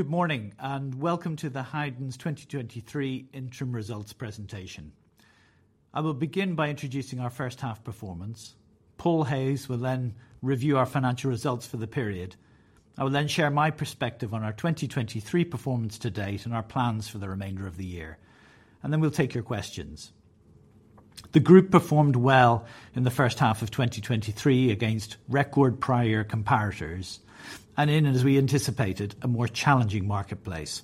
Good morning, welcome to the Howdens 2023 interim results presentation. I will begin by introducing our first half performance. Paul Hayes will review our financial results for the period. I will share my perspective on our 2023 performance to date and our plans for the remainder of the year, and then we'll take your questions. The group performed well in the first half of 2023 against record prior comparators, as we anticipated, a more challenging marketplace.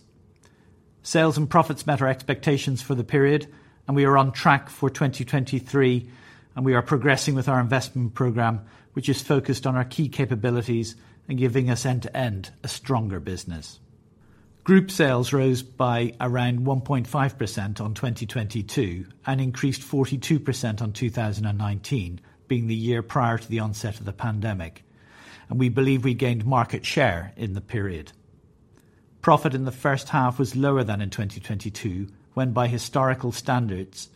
Sales and profits met our expectations for the period, and we are on track for 2023, and we are progressing with our investment program, which is focused on our key capabilities and giving us end-to-end a stronger business. Group sales rose by around 1.5% on 2022 and increased 42% on 2019, being the year prior to the onset of the pandemic. We believe we gained market share in the period. Profit in the first half was lower than in 2022, when by historical standards,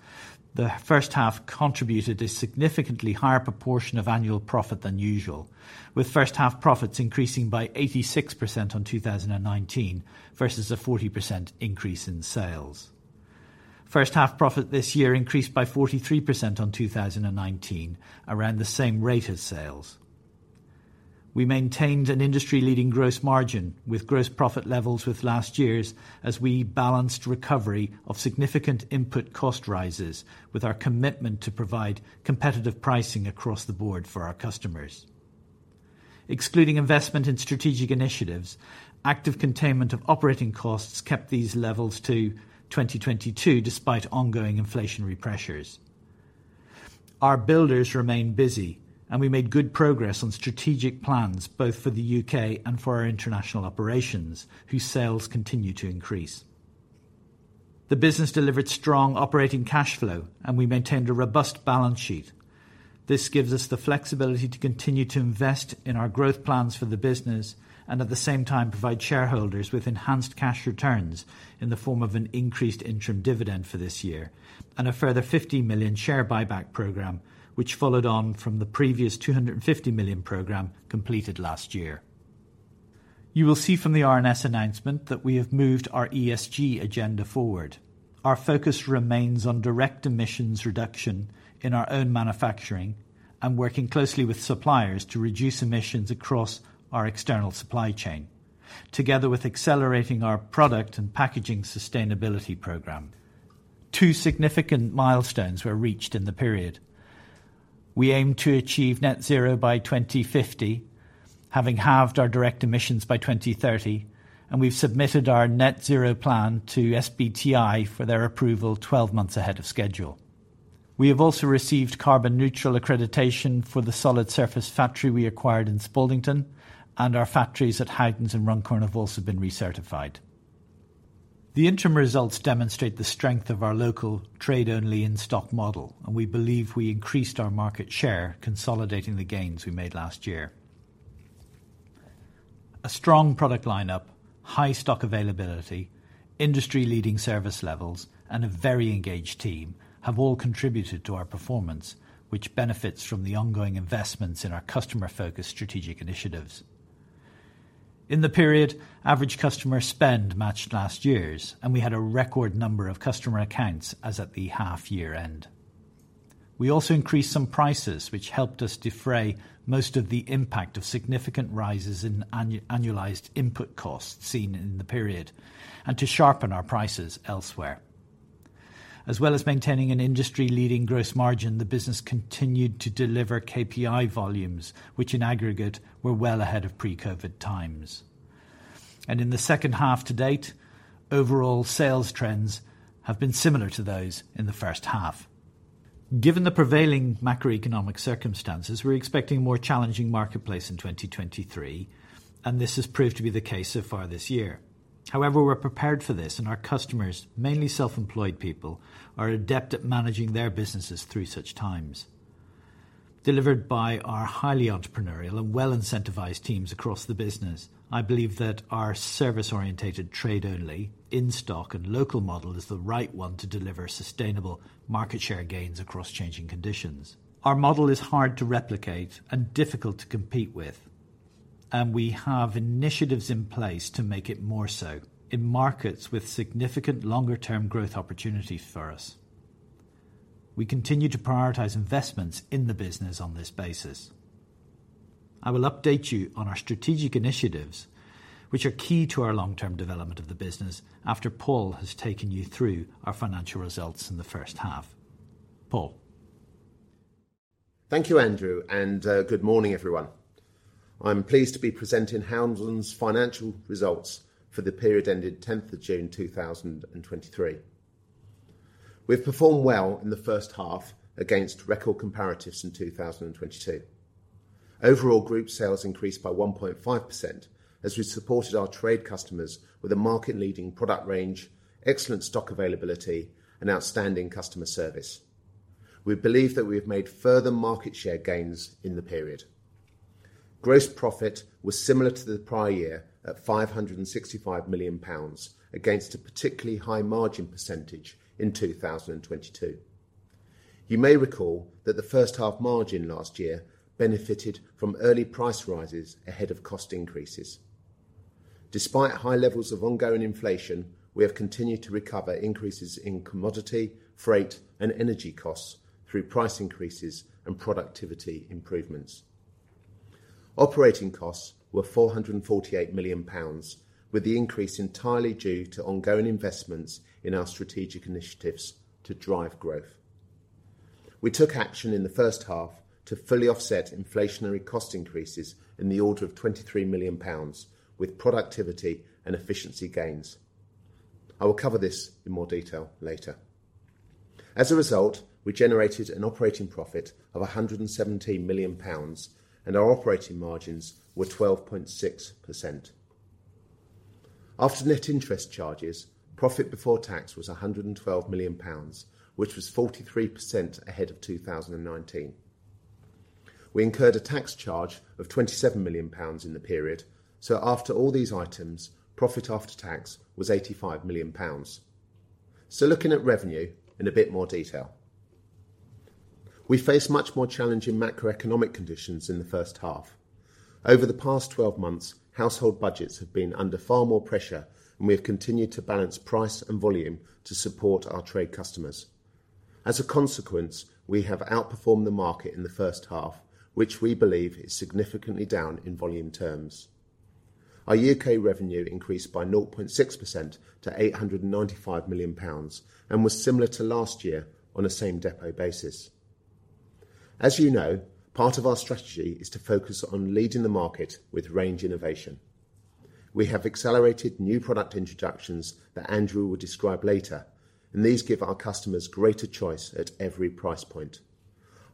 the first half contributed a significantly higher proportion of annual profit than usual, with first half profits increasing by 86% on 2019 versus a 40% increase in sales. First half profit this year increased by 43% on 2019, around the same rate as sales. We maintained an industry-leading gross margin with gross profit levels with last year's, as we balanced recovery of significant input cost rises with our commitment to provide competitive pricing across the board for our customers. Excluding investment in strategic initiatives, active containment of operating costs kept these levels to 2022, despite ongoing inflationary pressures. Our builders remain busy, we made good progress on strategic plans, both for the U.K. and for our international operations, whose sales continue to increase. The business delivered strong operating cash flow, we maintained a robust balance sheet. This gives us the flexibility to continue to invest in our growth plans for the business and at the same time provide shareholders with enhanced cash returns in the form of an increased interim dividend for this year and a further 50 million share buyback program, which followed on from the previous 250 million program completed last year. You will see from the RNS announcement that we have moved our ESG agenda forward. Our focus remains on direct emissions reduction in our own manufacturing and working closely with suppliers to reduce emissions across our external supply chain, together with accelerating our product and packaging sustainability program. Two significant milestones were reached in the period. We aim to achieve net zero by 2050, having halved our direct emissions by 2030. We've submitted our net zero plan to SBTi for their approval 12 months ahead of schedule. We have also received carbon neutral accreditation for the solid surface factory we acquired in Spaldington. Our factories at Howdens and Runcorn have also been recertified. The interim results demonstrate the strength of our local trade-only in-stock model. We believe we increased our market share, consolidating the gains we made last year. A strong product lineup, high stock availability, industry-leading service levels, and a very engaged team have all contributed to our performance, which benefits from the ongoing investments in our customer-focused strategic initiatives. In the period, average customer spend matched last year's, and we had a record number of customer accounts as at the half year end. We also increased some prices, which helped us defray most of the impact of significant rises in annualized input costs seen in the period and to sharpen our prices elsewhere. As well as maintaining an industry-leading gross margin, the business continued to deliver KPI volumes, which in aggregate were well ahead of pre-COVID times. In the second half to date, overall sales trends have been similar to those in the first half. Given the prevailing macroeconomic circumstances, we're expecting a more challenging marketplace in 2023, and this has proved to be the case so far this year. However, we're prepared for this, and our customers, mainly self-employed people, are adept at managing their businesses through such times. Delivered by our highly entrepreneurial and well-incentivized teams across the business, I believe that our service-orientated trade-only, in-stock, and local model is the right one to deliver sustainable market share gains across changing conditions. Our model is hard to replicate and difficult to compete with, and we have initiatives in place to make it more so in markets with significant longer-term growth opportunities for us. We continue to prioritize investments in the business on this basis. I will update you on our strategic initiatives, which are key to our long-term development of the business after Paul has taken you through our financial results in the first half. Paul? Thank you, Andrew. Good morning, everyone. I'm pleased to be presenting Howdens' financial results for the period ended 10th of June, 2023. We've performed well in the first half against record comparatives in 2022. Overall, group sales increased by 1.5% as we supported our trade customers with a market-leading product range, excellent stock availability, and outstanding customer service. We believe that we have made further market share gains in the period. Gross profit was similar to the prior year at 565 million pounds, against a particularly high margin percentage in 2022. You may recall that the first half margin last year benefited from early price rises ahead of cost increases. Despite high levels of ongoing inflation, we have continued to recover increases in commodity, freight, and energy costs through price increases and productivity improvements. Operating costs were 448 million pounds, with the increase entirely due to ongoing investments in our strategic initiatives to drive growth. We took action in the first half to fully offset inflationary cost increases in the order of 23 million pounds, with productivity and efficiency gains. I will cover this in more detail later. As a result, we generated an operating profit of 117 million pounds, and our operating margins were 12.6%. After net interest charges, profit before tax was 112 million pounds, which was 43% ahead of 2019. We incurred a tax charge of 27 million pounds in the period. After all these items, profit after tax was 85 million pounds. Looking at revenue in a bit more detail. We faced much more challenging macroeconomic conditions in the first half. Over the past 12 months, household budgets have been under far more pressure, and we have continued to balance price and volume to support our trade customers. As a consequence, we have outperformed the market in the first half, which we believe is significantly down in volume terms. Our U.K. revenue increased by 0.6% to 895 million pounds and was similar to last year on a same depot basis. As you know, part of our strategy is to focus on leading the market with range innovation. We have accelerated new product introductions that Andrew will describe later. These give our customers greater choice at every price point.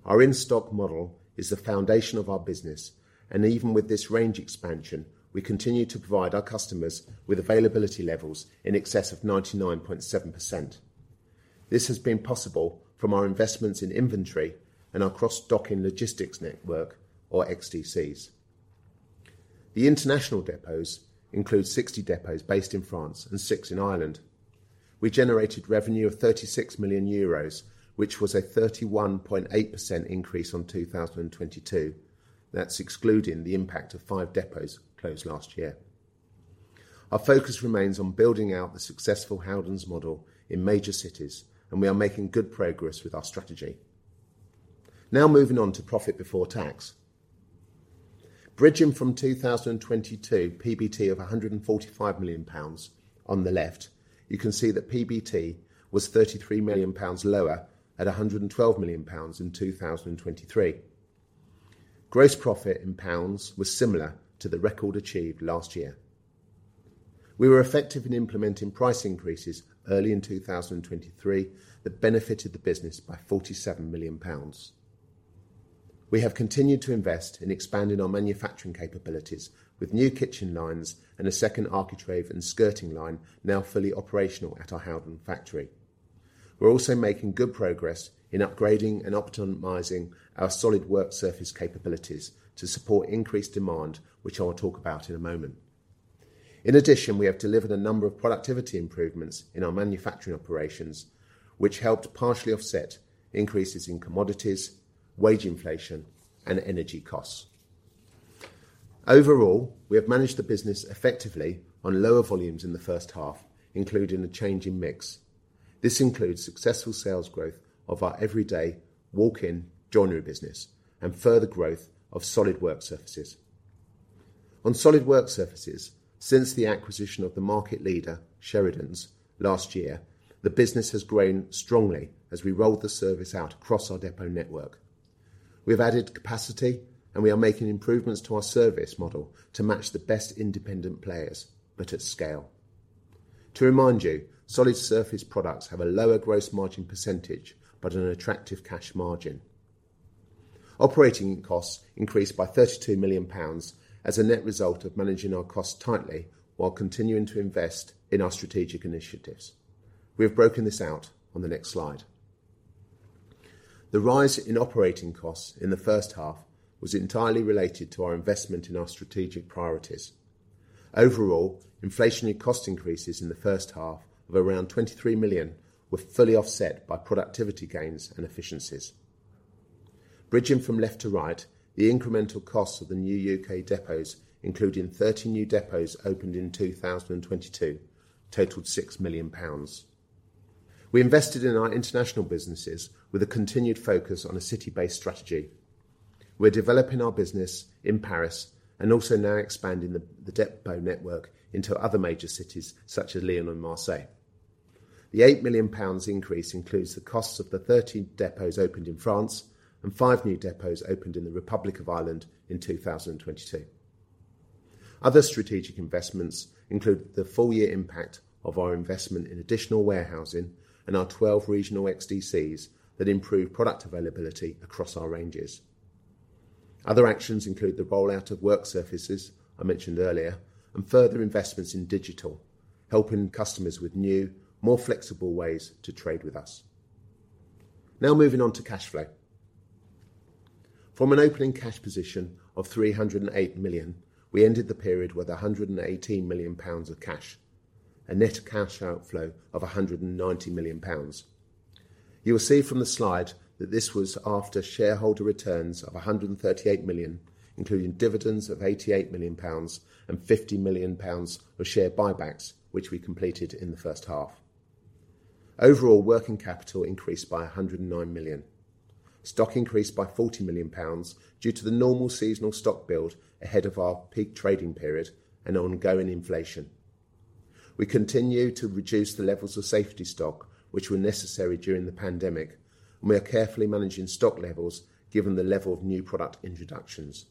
Our in-stock model is the foundation of our business. Even with this range expansion, we continue to provide our customers with availability levels in excess of 99.7%. This has been possible from our investments in inventory and our cross-docking logistics network, or XDCs. The international depots include 60 depots based in France and 6 in Ireland. We generated revenue of 36 million euros, which was a 31.8% increase on 2022. That's excluding the impact of 5 depots closed last year. Our focus remains on building out the successful Howdens' model in major cities. We are making good progress with our strategy. Moving on to profit before tax. Bridging from 2022 PBT of 145 million pounds on the left, you can see that PBT was 33 million pounds lower at 112 million pounds in 2023. Gross profit in pounds was similar to the record achieved last year. We were effective in implementing price increases early in 2023 that benefited the business by 47 million pounds. We have continued to invest in expanding our manufacturing capabilities with new kitchen lines and a second architrave and skirting line now fully operational at our Howdens factory. We're also making good progress in upgrading and optimizing our solid work surface capabilities to support increased demand, which I will talk about in a moment. In addition, we have delivered a number of productivity improvements in our manufacturing operations, which helped partially offset increases in commodities, wage inflation, and energy costs. Overall, we have managed the business effectively on lower volumes in the first half, including a change in mix. This includes successful sales growth of our everyday walk-in joinery business and further growth of solid work surfaces. On solid work surfaces, since the acquisition of the market leader, Sheridans, last year, the business has grown strongly as we rolled the service out across our depot network. We have added capacity, and we are making improvements to our service model to match the best independent players, but at scale. To remind you, solid surface products have a lower gross margin percentage, but an attractive cash margin. Operating costs increased by 32 million pounds as a net result of managing our costs tightly while continuing to invest in our strategic initiatives. We have broken this out on the next slide. The rise in operating costs in the first half was entirely related to our investment in our strategic priorities. Overall, inflationary cost increases in the first half of around 23 million were fully offset by productivity gains and efficiencies. Bridging from left to right, the incremental costs of the new U.K. depots, including 30 new depots opened in 2022, totaled 6 million pounds. We invested in our international businesses with a continued focus on a city-based strategy. We're developing our business in Paris and also now expanding the depot network into other major cities such as Lyon and Marseille. The 8 million pounds increase includes the costs of the 30 depots opened in France and five new depots opened in the Republic of Ireland in 2022. Other strategic investments include the full year impact of our investment in additional warehousing and our 12 regional XDCs that improve product availability across our ranges. Other actions include the rollout of work surfaces I mentioned earlier, and further investments in digital, helping customers with new, more flexible ways to trade with us. Moving on to cash flow. From an opening cash position of 308 million, we ended the period with 118 million pounds of cash, a net cash outflow of 190 million pounds. You will see from the slide that this was after shareholder returns of 138 million, including dividends of 88 million pounds and 50 million pounds of share buybacks, which we completed in the first half. Overall, working capital increased by 109 million. Stock increased by 40 million pounds due to the normal seasonal stock build ahead of our peak trading period and ongoing inflation. We continue to reduce the levels of safety stock, which were necessary during the pandemic, and we are carefully managing stock levels given the level of new product introductions.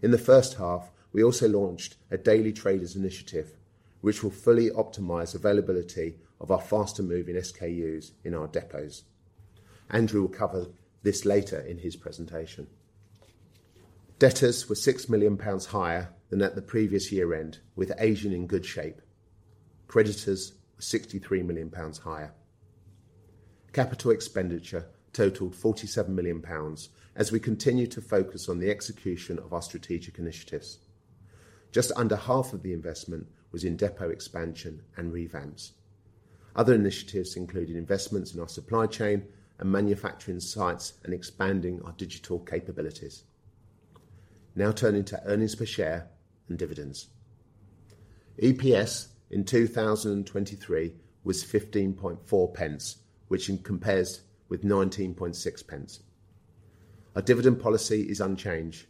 In the first half, we also launched a Daily Traders initiative, which will fully optimize availability of our faster moving SKUs in our depots. Andrew will cover this later in his presentation. Debtors were 6 million pounds higher than at the previous year end, with Asian in good shape. Creditors 63 million pounds higher. Capital expenditure totaled 47 million pounds as we continue to focus on the execution of our strategic initiatives. Just under half of the investment was in depot expansion and revamps. Other initiatives included investments in our supply chain and manufacturing sites and expanding our digital capabilities. Turning to earnings per share and dividends. EPS in 2023 was 15.4 pence, which compares with 19.6 pence. Our dividend policy is unchanged.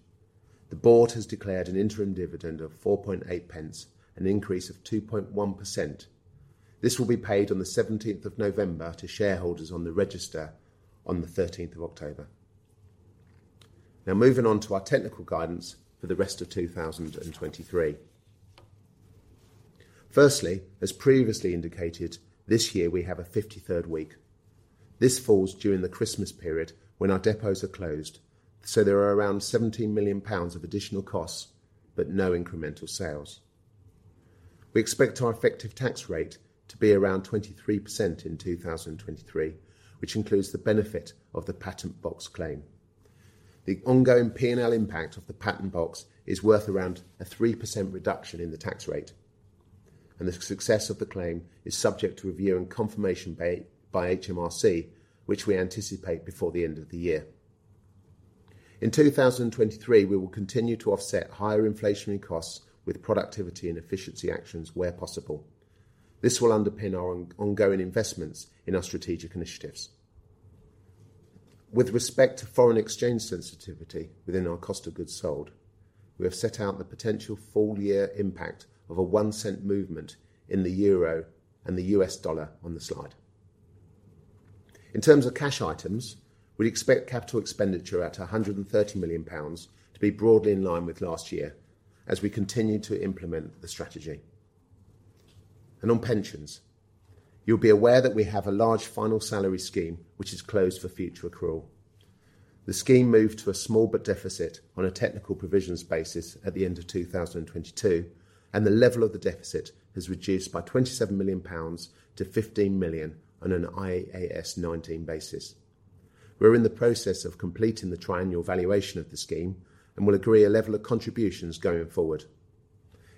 The board has declared an interim dividend of 4.8 pence, an increase of 2.1%. This will be paid on the 17th of November to shareholders on the register on the 13th of October. Moving on to our technical guidance for the rest of 2023. Firstly, as previously indicated, this year we have a 53rd week. This falls during the Christmas period when our depots are closed, so there are around 17 million pounds of additional costs, but no incremental sales. We expect our effective tax rate to be around 23% in 2023, which includes the benefit of the Patent Box claim. The ongoing P&L impact of the Patent Box is worth around a 3% reduction in the tax rate, and the success of the claim is subject to review and confirmation by HMRC, which we anticipate before the end of the year. In 2023, we will continue to offset higher inflationary costs with productivity and efficiency actions where possible. This will underpin our ongoing investments in our strategic initiatives. With respect to foreign exchange sensitivity within our cost of goods sold, we have set out the potential full year impact of a 1 cent movement in the euro and the US dollar on the slide. In terms of cash items, we expect capital expenditure at 130 million pounds to be broadly in line with last year as we continue to implement the strategy. On pensions, you'll be aware that we have a large final salary scheme, which is closed for future accrual. The scheme moved to a small but deficit on a technical provisions basis at the end of 2022. The level of the deficit has reduced by 27 million pounds to 15 million on an IAS 19 basis. We're in the process of completing the triennial valuation of the scheme and will agree a level of contributions going forward.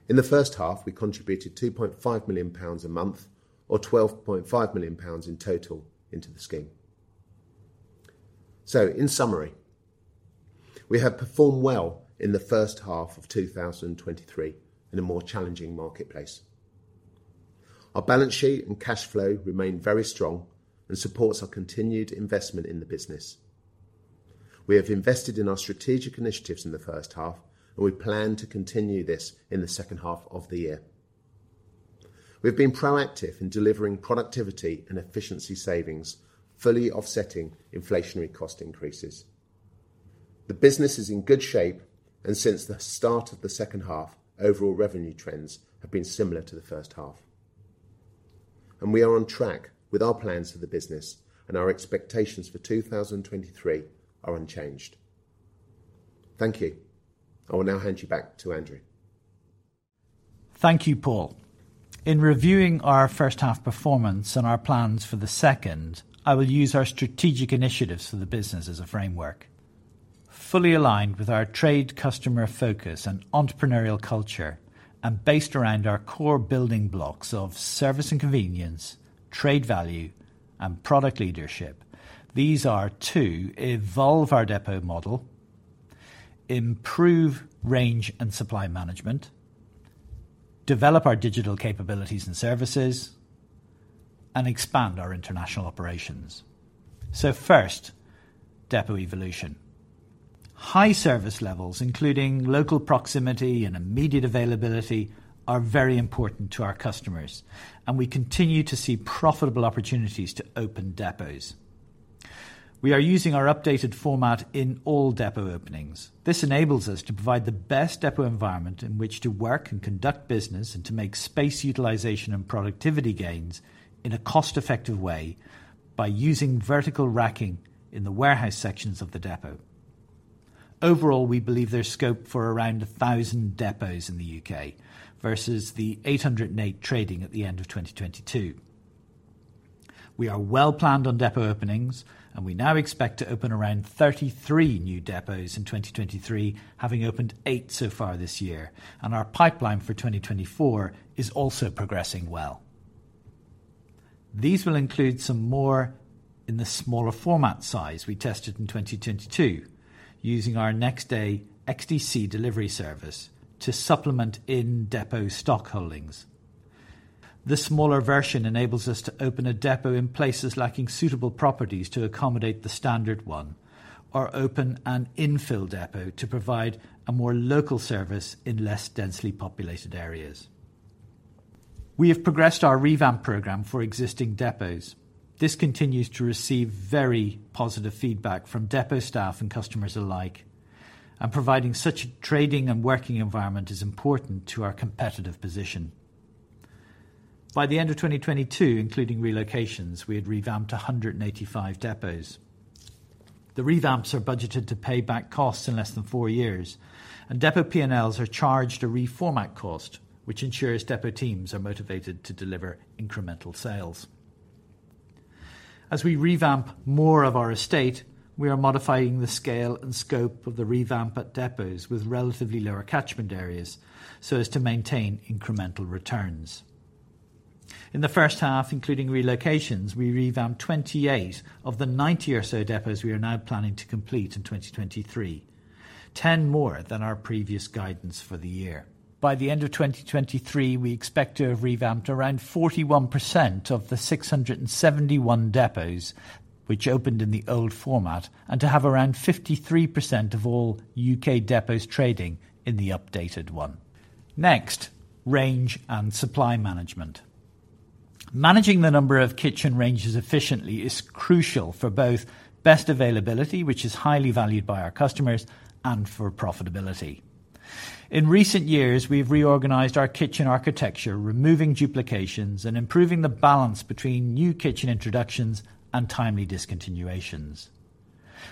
In the first half, we contributed 2.5 million pounds a month or 12.5 million pounds in total into the scheme. In summary, we have performed well in the first half of 2023 in a more challenging marketplace. Our balance sheet and cash flow remain very strong and supports our continued investment in the business. We have invested in our strategic initiatives in the first half, and we plan to continue this in the second half of the year. We've been proactive in delivering productivity and efficiency savings, fully offsetting inflationary cost increases. The business is in good shape, and since the start of the second half, overall revenue trends have been similar to the first half. We are on track with our plans for the business and our expectations for 2023 are unchanged. Thank you. I will now hand you back to Andrew. Thank you, Paul. In reviewing our first half performance and our plans for the second, I will use our strategic initiatives for the business as a framework. Fully aligned with our trade customer focus and entrepreneurial culture, based around our core building blocks of service and convenience, trade value, and product leadership. These are to evolve our depot model, improve range and supply management, develop our digital capabilities and services, and expand our international operations. First, depot evolution. High service levels, including local proximity and immediate availability, are very important to our customers, and we continue to see profitable opportunities to open depots. We are using our updated format in all depot openings. This enables us to provide the best depot environment in which to work and conduct business, and to make space utilization and productivity gains in a cost-effective way by using vertical racking in the warehouse sections of the depot. Overall, we believe there's scope for around 1,000 depots in the UK versus the 808 trading at the end of 2022. We are well planned on depot openings, and we now expect to open around 33 new depots in 2023, having opened 8 so far this year, and our pipeline for 2024 is also progressing well. These will include some more in the smaller format size we tested in 2022, using our next day XDC delivery service to supplement in-depot stock holdings. The smaller version enables us to open a depot in places lacking suitable properties to accommodate the standard one, or open an infill depot to provide a more local service in less densely populated areas. We have progressed our revamp program for existing depots. This continues to receive very positive feedback from depot staff and customers alike. Providing such a trading and working environment is important to our competitive position. By the end of 2022, including relocations, we had revamped 185 depots. The revamps are budgeted to pay back costs in less than four years. Depot P&Ls are charged a reformat cost, which ensures depot teams are motivated to deliver incremental sales. As we revamp more of our estate, we are modifying the scale and scope of the revamp at depots with relatively lower catchment areas, so as to maintain incremental returns. In the first half, including relocations, we revamped 28 of the 90 or so depots we are now planning to complete in 2023, 10 more than our previous guidance for the year. By the end of 2023, we expect to have revamped around 41% of the 671 depots, which opened in the old format, and to have around 53% of all U.K. depots trading in the updated one. Range and supply management. Managing the number of kitchen ranges efficiently is crucial for both best availability, which is highly valued by our customers, and for profitability. In recent years, we've reorganized our kitchen architecture, removing duplications and improving the balance between new kitchen introductions and timely discontinuations.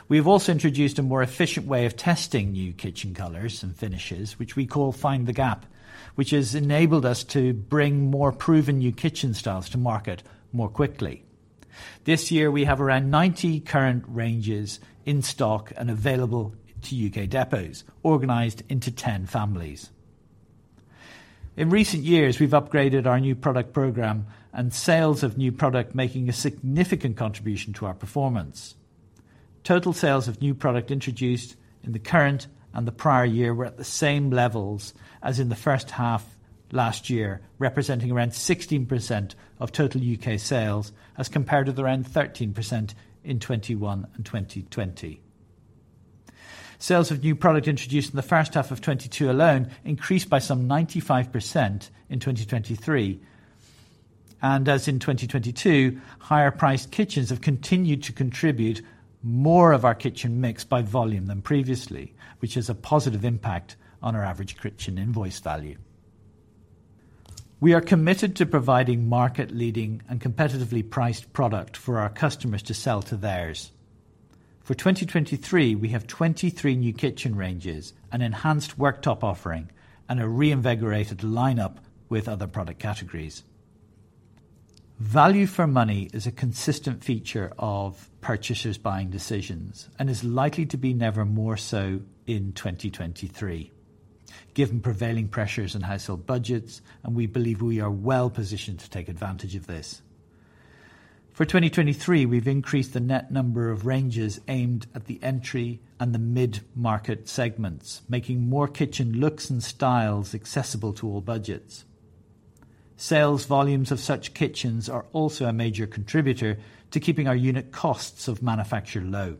We've also introduced a more efficient way of testing new kitchen colors and finishes, which we call Find the Gap, which has enabled us to bring more proven new kitchen styles to market more quickly. This year, we have around 90 current ranges in stock and available to U.K. depots, organized into 10 families. In recent years, we've upgraded our new product program and sales of new product, making a significant contribution to our performance. Total sales of new product introduced in the current and the prior year were at the same levels as in the first half last year, representing around 16% of total U.K. sales, as compared to around 13% in 2021 and 2020. Sales of new product introduced in the first half of 2022 alone increased by some 95% in 2023, and as in 2022, higher priced kitchens have continued to contribute more of our kitchen mix by volume than previously, which is a positive impact on our average kitchen invoice value. We are committed to providing market-leading and competitively priced product for our customers to sell to theirs. For 2023, we have 23 new kitchen ranges, an enhanced worktop offering, and a reinvigorated lineup with other product categories. Value for money is a consistent feature of purchasers' buying decisions and is likely to be never more so in 2023, given prevailing pressures on household budgets, and we believe we are well positioned to take advantage of this. For 2023, we've increased the net number of ranges aimed at the entry and the mid-market segments, making more kitchen looks and styles accessible to all budgets. Sales volumes of such kitchens are also a major contributor to keeping our unit costs of manufacture low.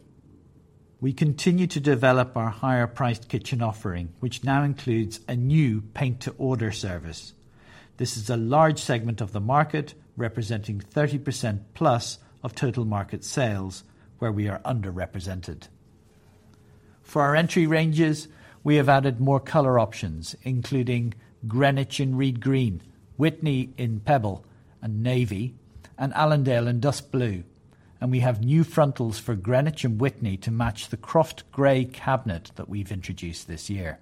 We continue to develop our higher-priced kitchen offering, which now includes a new paint-to-order service. This is a large segment of the market, representing 30%+ of total market sales, where we are underrepresented. For our entry ranges, we have added more color options, including Greenwich in Reed Green, Witney in pebble and navy, and Allendale in Dusk Blue, and we have new frontals for Greenwich and Witney to match the Croft gray cabinet that we've introduced this year.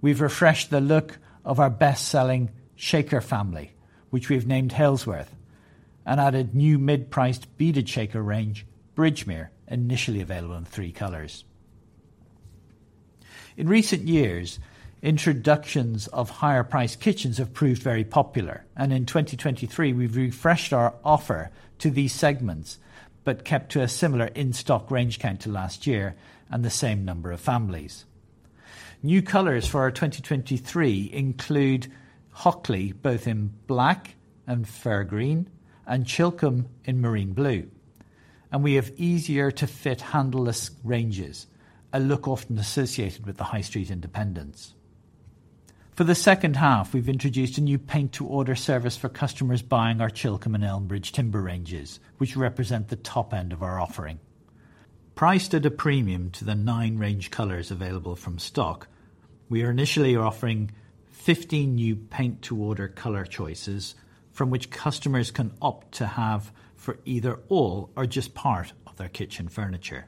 We've refreshed the look of our best-selling Shaker family, which we've named Halesworth, and added new mid-priced beaded Shaker range, Bridgemere, initially available in three colors. In recent years, introductions of higher priced kitchens have proved very popular, and in 2023, we've refreshed our offer to these segments, but kept to a similar in-stock range count to last year and the same number of families. New colors for our 2023 include Hockley, both in black and Fir Green, and Chilcombe in Marine Blue, and we have easier-to-fit handleless ranges, a look often associated with the high street independents. For the second half, we've introduced a new paint-to-order service for customers buying our Chilcombe and Elmbridge timber ranges, which represent the top end of our offering. Priced at a premium to the 9 range colors available from stock, we are initially offering 15 new paint-to-order color choices from which customers can opt to have for either all or just part of their kitchen furniture.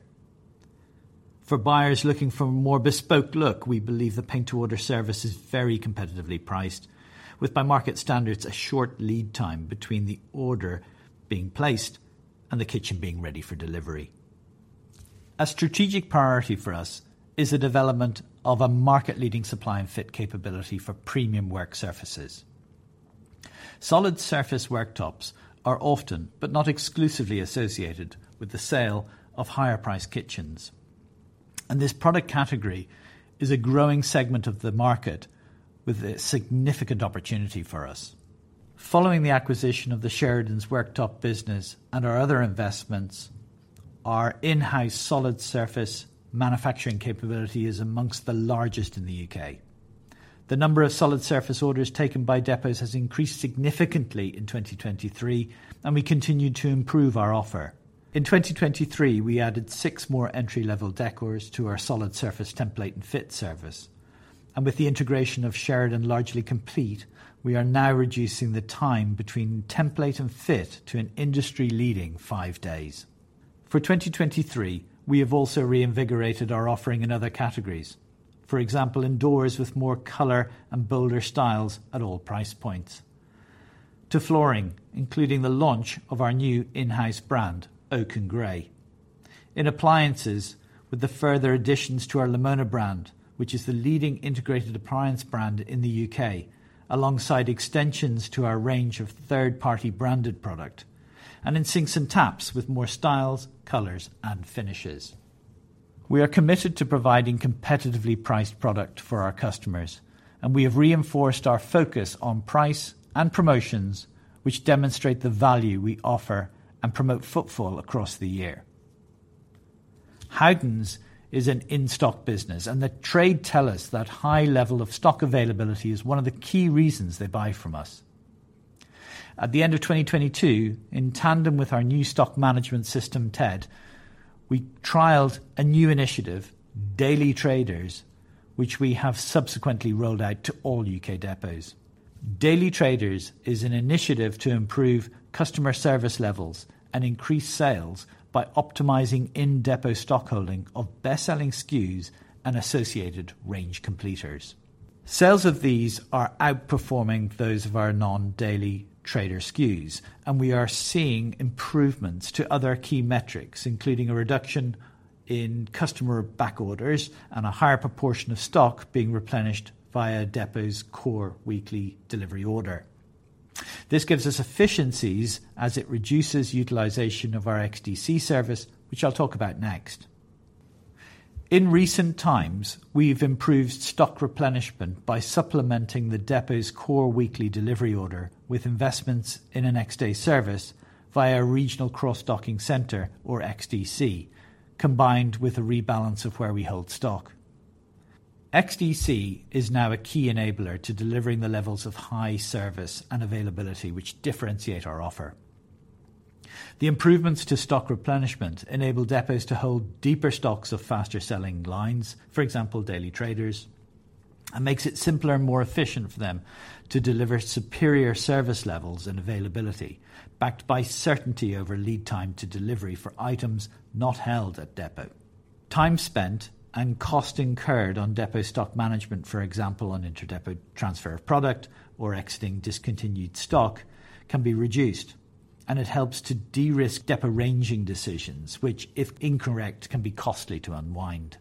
For buyers looking for a more bespoke look, we believe the paint-to-order service is very competitively priced, with, by market standards, a short lead time between the order being placed and the kitchen being ready for delivery. A strategic priority for us is the development of a market-leading supply and fit capability for premium work surfaces. Solid surface worktops are often, but not exclusively, associated with the sale of higher-priced kitchens, and this product category is a growing segment of the market with a significant opportunity for us. Following the acquisition of the Sheridan's worktop business and our other investments, our in-house solid surface manufacturing capability is amongst the largest in the UK. The number of solid surface orders taken by depots has increased significantly in 2023. We continued to improve our offer. In 2023, we added 6 more entry-level decors to our solid surface template and fit service. With the integration of Sheridan largely complete, we are now reducing the time between template and fit to an industry-leading 5 days. For 2023, we have also reinvigorated our offering in other categories. For example, in doors with more color and bolder styles at all price points, to flooring, including the launch of our new in-house brand, Oake and Gray. In appliances, with the further additions to our Lamona brand, which is the leading integrated appliance brand in the U.K., alongside extensions to our range of third-party branded product, and in sinks and taps with more styles, colors, and finishes. We are committed to providing competitively priced product for our customers, We have reinforced our focus on price and promotions, which demonstrate the value we offer and promote footfall across the year. Howdens is an in-stock business, The trade tell us that high level of stock availability is one of the key reasons they buy from us. At the end of 2022, in tandem with our new stock management system, TED, we trialed a new initiative, Daily Traders, which we have subsequently rolled out to all U.K. depots. Daily Traders is an initiative to improve customer service levels and increase sales by optimizing in-depot stockholding of best-selling SKUs and associated range completers. Sales of these are outperforming those of our non-Daily Trader SKUs, we are seeing improvements to other key metrics, including a reduction in customer back orders and a higher proportion of stock being replenished via depot's core weekly delivery order. This gives us efficiencies as it reduces utilization of our XDC service, which I'll talk about next. In recent times, we've improved stock replenishment by supplementing the depot's core weekly delivery order with investments in a next-day service via a regional cross-docking center, or XDC, combined with a rebalance of where we hold stock. XDC is now a key enabler to delivering the levels of high service and availability, which differentiate our offer. The improvements to stock replenishment enable depots to hold deeper stocks of faster-selling lines, for example, Daily Traders, and makes it simpler and more efficient for them to deliver superior service levels and availability, backed by certainty over lead time to delivery for items not held at depot. Time spent and cost incurred on depot stock management, for example, on inter-depot transfer of product or exiting discontinued stock, can be reduced, and it helps to de-risk depot ranging decisions, which, if incorrect, can be costly to unwind.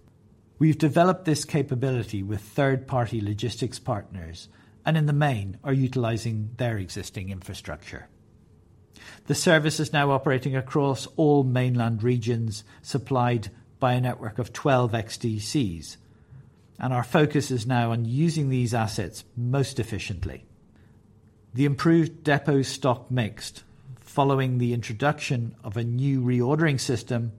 We've developed this capability with third-party logistics partners and, in the main, are utilizing their existing infrastructure. The service is now operating across all mainland regions, supplied by a network of 12 XDCs, and our focus is now on using these assets most efficiently. The improved depot stock mix, following the introduction of a new reordering system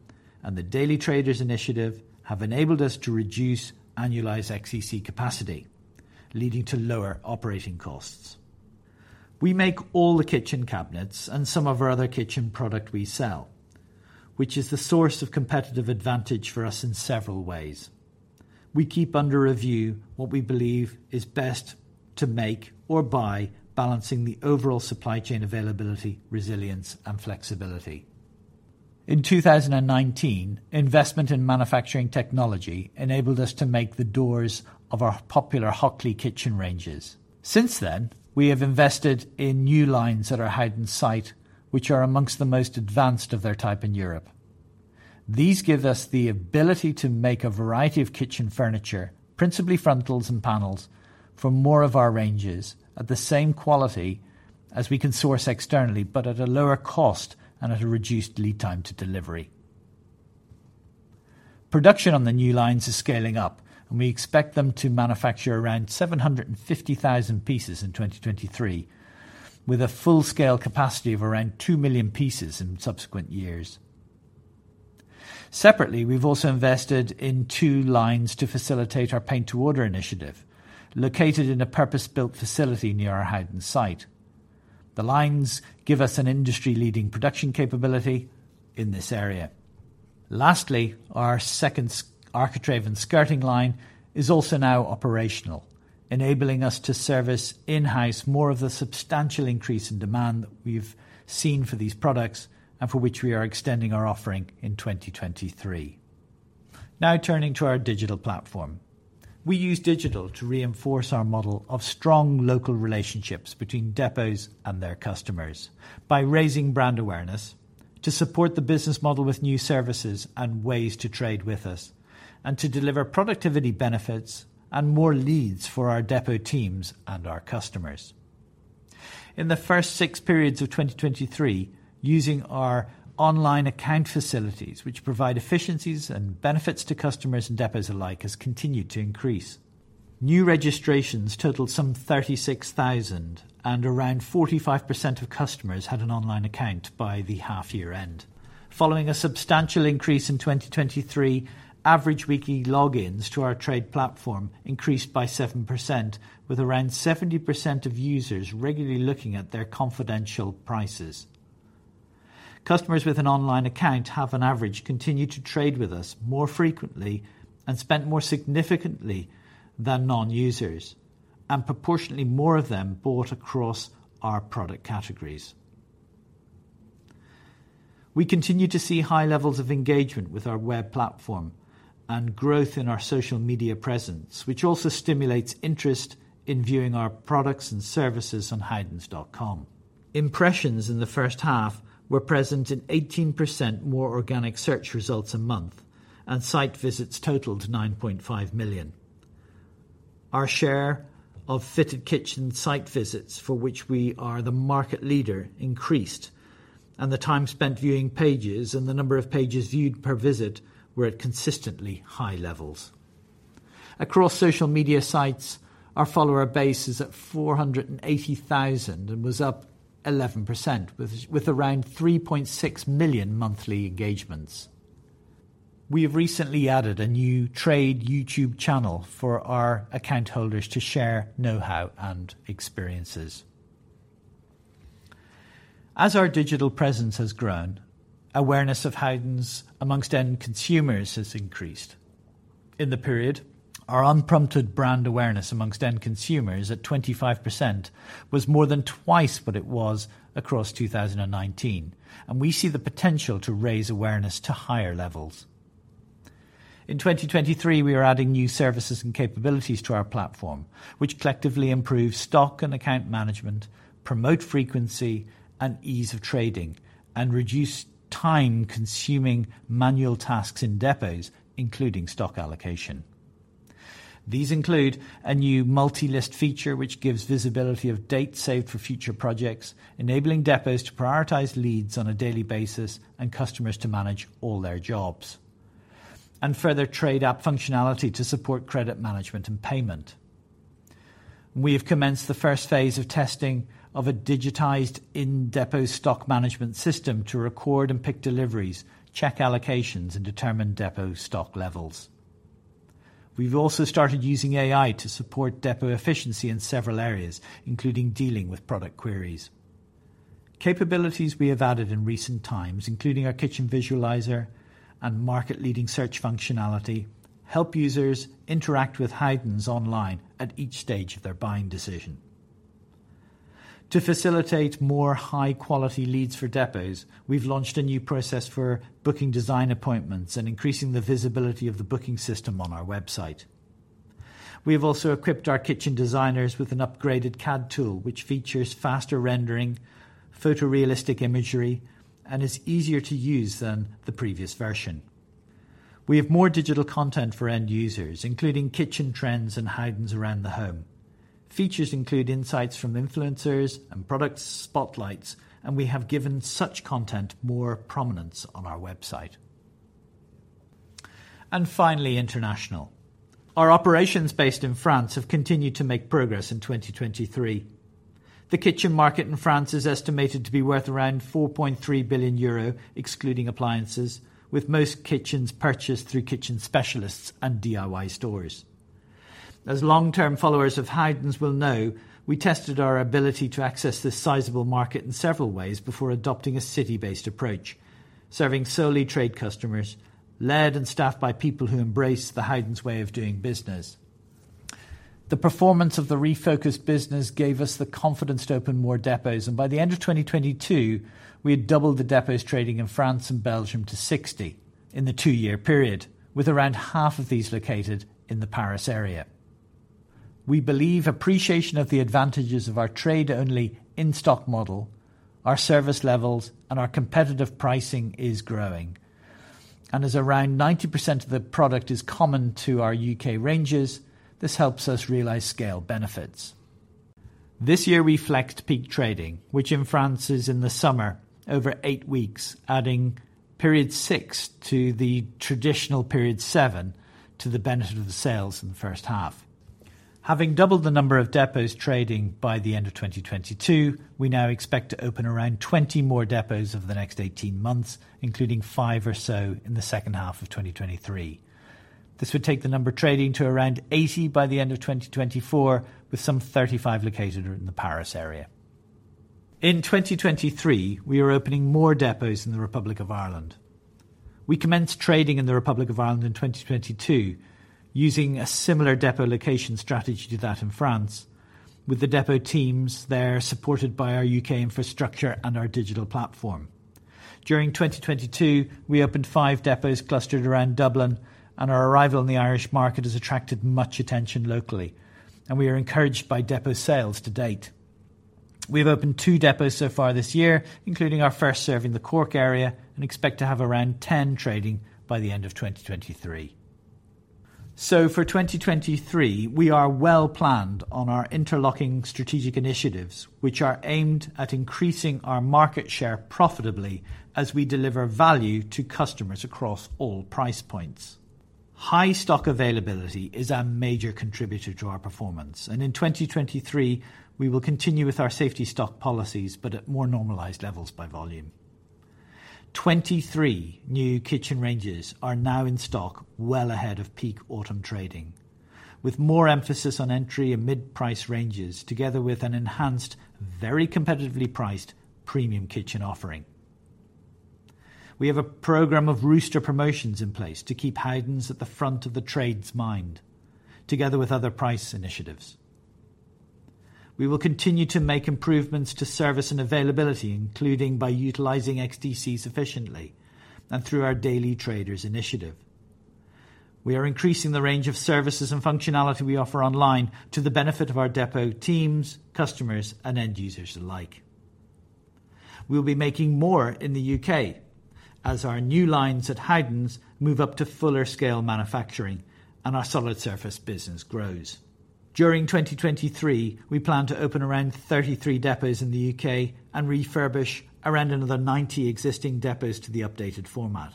and the Daily Traders initiative, have enabled us to reduce annualized XDC capacity, leading to lower operating costs. We make all the kitchen cabinets and some of our other kitchen product we sell, which is the source of competitive advantage for us in several ways. We keep under review what we believe is best to make or buy, balancing the overall supply chain availability, resilience, and flexibility. In 2019, investment in manufacturing technology enabled us to make the doors of our popular Hockley kitchen ranges. Since then, we have invested in new lines at our Howden site, which are amongst the most advanced of their type in Europe. These give us the ability to make a variety of kitchen furniture, principally frontals and panels, for more of our ranges at the same quality as we can source externally, but at a lower cost and at a reduced lead time to delivery. Production on the new lines is scaling up. We expect them to manufacture around 750,000 pieces in 2023, with a full-scale capacity of around 2 million pieces in subsequent years. Separately, we've also invested in two lines to facilitate our paint-to-order initiative, located in a purpose-built facility near our Howden site. The lines give us an industry-leading production capability in this area. Lastly, our second architrave and skirting line is also now operational. enabling us to service in-house more of the substantial increase in demand that we've seen for these products and for which we are extending our offering in 2023. Turning to our digital platform. We use digital to reinforce our model of strong local relationships between depots and their customers by raising brand awareness, to support the business model with new services and ways to trade with us, and to deliver productivity benefits and more leads for our depot teams and our customers. In the first six periods of 2023, using our online account facilities, which provide efficiencies and benefits to customers and depots alike, has continued to increase. New registrations totaled some 36,000, and around 45% of customers had an online account by the half year end. Following a substantial increase in 2023, average weekly logins to our trade platform increased by 7%, with around 70% of users regularly looking at their confidential prices. Customers with an online account have, on average, continued to trade with us more frequently and spent more significantly than non-users, and proportionately more of them bought across our product categories. We continue to see high levels of engagement with our web platform and growth in our social media presence, which also stimulates interest in viewing our products and services on howdens.com. Impressions in the first half were present in 18% more organic search results a month, and site visits totaled 9.5 million. Our share of fitted kitchen site visits, for which we are the market leader, increased, and the time spent viewing pages and the number of pages viewed per visit were at consistently high levels. Across social media sites, our follower base is at 480,000 and was up 11%, with around 3.6 million monthly engagements. We have recently added a new trade YouTube channel for our account holders to share know-how and experiences. As our digital presence has grown, awareness of Howdens amongst end consumers has increased. In the period, our unprompted brand awareness amongst end consumers at 25%, was more than twice what it was across 2019. We see the potential to raise awareness to higher levels. In 2023, we are adding new services and capabilities to our platform, which collectively improve stock and account management, promote frequency and ease of trading, and reduce time-consuming manual tasks in depots, including stock allocation. These include a new multi-list feature, which gives visibility of dates saved for future projects, enabling depots to prioritize leads on a daily basis and customers to manage all their jobs, and further trade app functionality to support credit management and payment. We have commenced the first phase of testing of a digitized in-depot stock management system to record and pick deliveries, check allocations, and determine depot stock levels. We've also started using AI to support depot efficiency in several areas, including dealing with product queries. Capabilities we have added in recent times, including our kitchen visualizer and market-leading search functionality, help users interact with Howdens online at each stage of their buying decision. To facilitate more high-quality leads for depots, we've launched a new process for booking design appointments and increasing the visibility of the booking system on our website. We have also equipped our kitchen designers with an upgraded CAD tool, which features faster rendering, photorealistic imagery, and is easier to use than the previous version. We have more digital content for end users, including kitchen trends and Howdens around the home. Features include insights from influencers and product spotlights. We have given such content more prominence on our website. Finally, international. Our operations based in France have continued to make progress in 2023. The kitchen market in France is estimated to be worth around 4.3 billion euro, excluding appliances, with most kitchens purchased through kitchen specialists and DIY stores. As long-term followers of Howdens will know, we tested our ability to access this sizable market in several ways before adopting a city-based approach, serving solely trade customers, led and staffed by people who embrace the Howdens way of doing business. The performance of the refocused business gave us the confidence to open more depots. By the end of 2022, we had doubled the depots trading in France and Belgium to 60 in the 2-year period, with around half of these located in the Paris area. We believe appreciation of the advantages of our trade-only in-stock model, our service levels, and our competitive pricing is growing. As around 90% of the product is common to our U.K. ranges, this helps us realize scale benefits. This year, we flexed peak trading, which in France is in the summer, over 8 weeks, adding period 6 to the traditional period 7, to the benefit of the sales in the first half. Having doubled the number of depots trading by the end of 2022, we now expect to open around 20 more depots over the next 18 months, including 5 or so in the second half of 2023. This would take the number trading to around 80 by the end of 2024, with some 35 located in the Paris area. In 2023, we are opening more depots in the Republic of Ireland. We commenced trading in the Republic of Ireland in 2022, using a similar depot location strategy to that in France, with the depot teams there supported by our UK infrastructure and our digital platform. During 2022, we opened 5 depots clustered around Dublin, and our arrival in the Irish market has attracted much attention locally, and we are encouraged by depot sales to date. We have opened 2 depots so far this year, including our first serving the Cork area. Expect to have around 10 trading by the end of 2023. For 2023, we are well planned on our interlocking strategic initiatives, which are aimed at increasing our market share profitably as we deliver value to customers across all price points. High stock availability is a major contributor to our performance. In 2023, we will continue with our safety stock policies, but at more normalized levels by volume. 23 new kitchen ranges are now in stock, well ahead of peak autumn trading, with more emphasis on entry and mid-price ranges, together with an enhanced, very competitively priced premium kitchen offering. We have a program of rooster promotions in place to keep Howdens at the front of the trade's mind, together with other price initiatives. We will continue to make improvements to service and availability, including by utilizing XDC sufficiently and through our Daily Traders initiative. We are increasing the range of services and functionality we offer online to the benefit of our depot teams, customers, and end users alike. We'll be making more in the U.K. as our new lines at Howdens move up to fuller scale manufacturing and our solid surface business grows. During 2023, we plan to open around 33 depots in the U.K. and refurbish around another 90 existing depots to the updated format.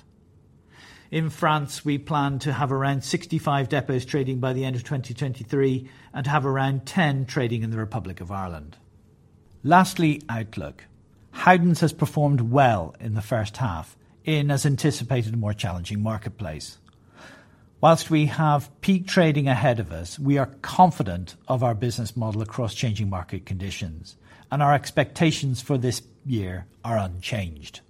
In France, we plan to have around 65 depots trading by the end of 2023 and have around 10 trading in the Republic of Ireland. Outlook. Howdens has performed well in the first half in, as anticipated, a more challenging marketplace. While we have peak trading ahead of us, we are confident of our business model across changing market conditions. Our expectations for this year are unchanged.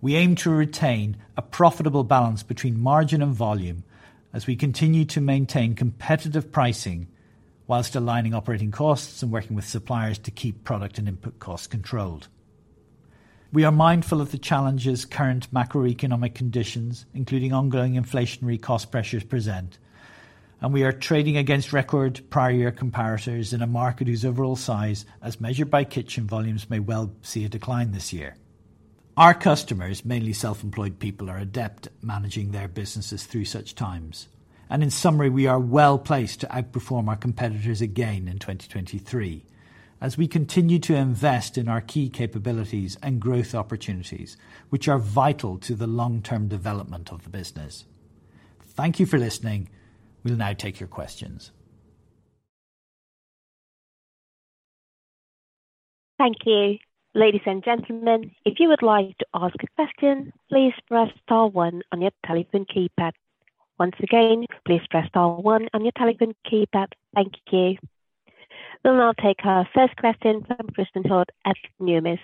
We aim to retain a profitable balance between margin and volume as we continue to maintain competitive pricing while aligning operating costs and working with suppliers to keep product and input costs controlled. We are mindful of the challenges current macroeconomic conditions, including ongoing inflationary cost pressures present. We are trading against record prior year comparators in a market whose overall size, as measured by kitchen volumes, may well see a decline this year. Our customers, mainly self-employed people, are adept at managing their businesses through such times. In summary, we are well-placed to outperform our competitors again in 2023, as we continue to invest in our key capabilities and growth opportunities, which are vital to the long-term development of the business. Thank you for listening. We'll now take your questions. Thank you. Ladies and gentlemen, if you would like to ask a question, please press star 1 on your telephone keypad. Once again, please press star 1 on your telephone keypad. Thank you. We'll now take our first question from Christen Hjort at Numis.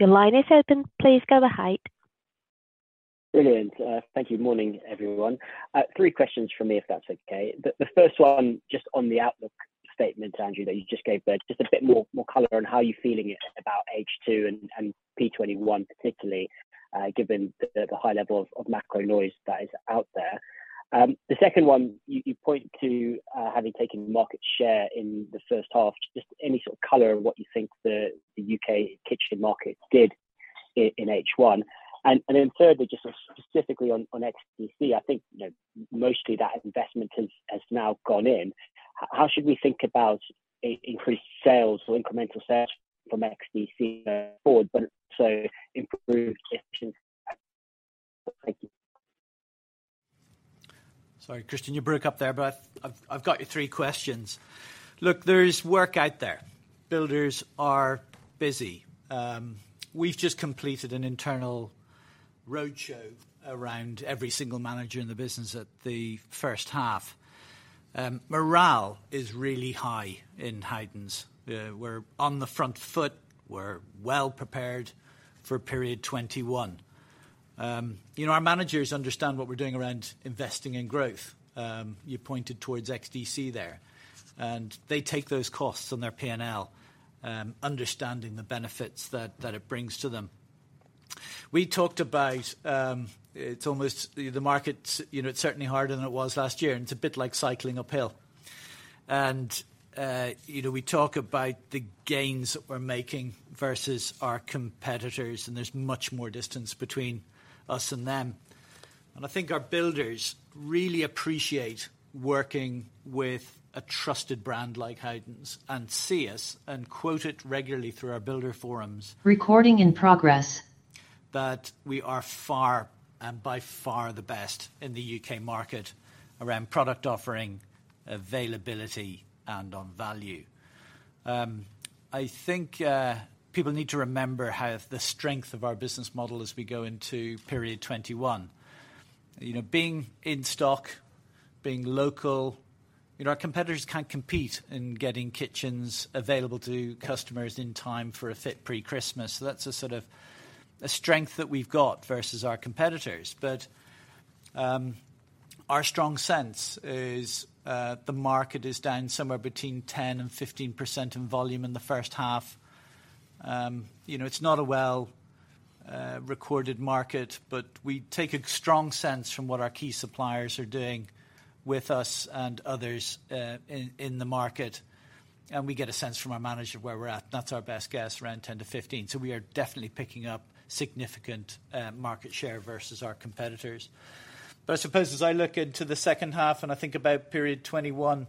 Your line is open. Please go ahead. Brilliant. Thank you. Morning, everyone. Three questions from me, if that's okay. The first one, just on the outlook statement, Andrew, that you just gave there. Just a bit more color on how you're feeling about H2 and P-21, particularly given the high level of macro noise that is out there. The second one, you point to having taken market share in the first half, just any sort of color on what you think the UK kitchen market did in H1? Then thirdly, just specifically on XDC, I think, you know, mostly that investment has now gone in. How should we think about increased sales or incremental sales from XDC going forward, but also improved efficiency? Thank you. Sorry, Christen, you broke up there, but I've got your three questions. Look, there's work out there. Builders are busy. We've just completed an internal roadshow around every single manager in the business at the first half. Morale is really high in Howdens. We're on the front foot. We're well prepared for period 21. You know, our managers understand what we're doing around investing in growth. You pointed towards XDC there, and they take those costs on their P&L, understanding the benefits that it brings to them. We talked about the market, you know, it's certainly harder than it was last year, and it's a bit like cycling uphill. You know, we talk about the gains that we're making versus our competitors, and there's much more distance between us and them. I think our builders really appreciate working with a trusted brand like Howdens and see us, and quote it regularly through our builder forums. Recording in progress. that we are far, and by far, the best in the U.K. market around product offering, availability, and on value. I think people need to remember how the strength of our business model as we go into period 21. You know, being in stock... being local, you know, our competitors can't compete in getting kitchens available to customers in time for a fit pre-Christmas. That's a sort of a strength that we've got versus our competitors. Our strong sense is the market is down somewhere between 10% and 15% in volume in the first half. You know, it's not a well recorded market, but we take a strong sense from what our key suppliers are doing with us and others in the market, and we get a sense from our management where we're at. That's our best guess, around 10 to 15. We are definitely picking up significant market share versus our competitors. I suppose as I look into the second half, and I think about period 21,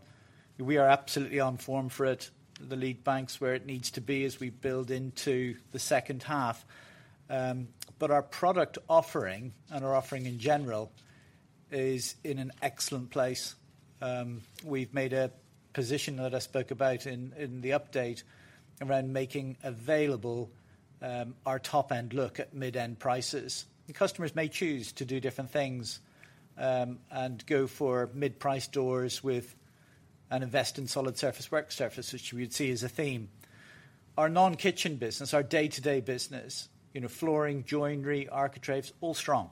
we are absolutely on form for it. The lead bank's where it needs to be as we build into the second half. Our product offering and our offering in general is in an excellent place. We've made a position that I spoke about in the update around making available our top-end look at mid-end prices. The customers may choose to do different things, and go for mid-priced doors with an invest in solid surface work surface, which we'd see as a theme. Our non-kitchen business, our day-to-day business, you know, flooring, joinery, architraves, all strong,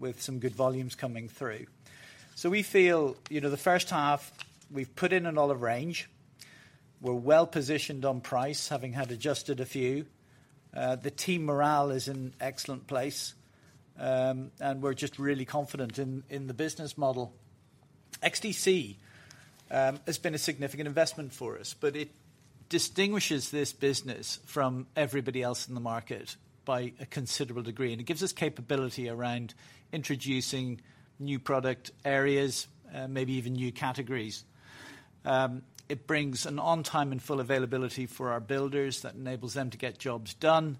with some good volumes coming through. We feel, you know, the first half, we've put in an olive range. We're well positioned on price, having had adjusted a few. The team morale is in excellent place, we're just really confident in the business model. XDC has been a significant investment for us, but it distinguishes this business from everybody else in the market by a considerable degree, it gives us capability around introducing new product areas, maybe even new categories. It brings an on time and full availability for our builders that enables them to get jobs done,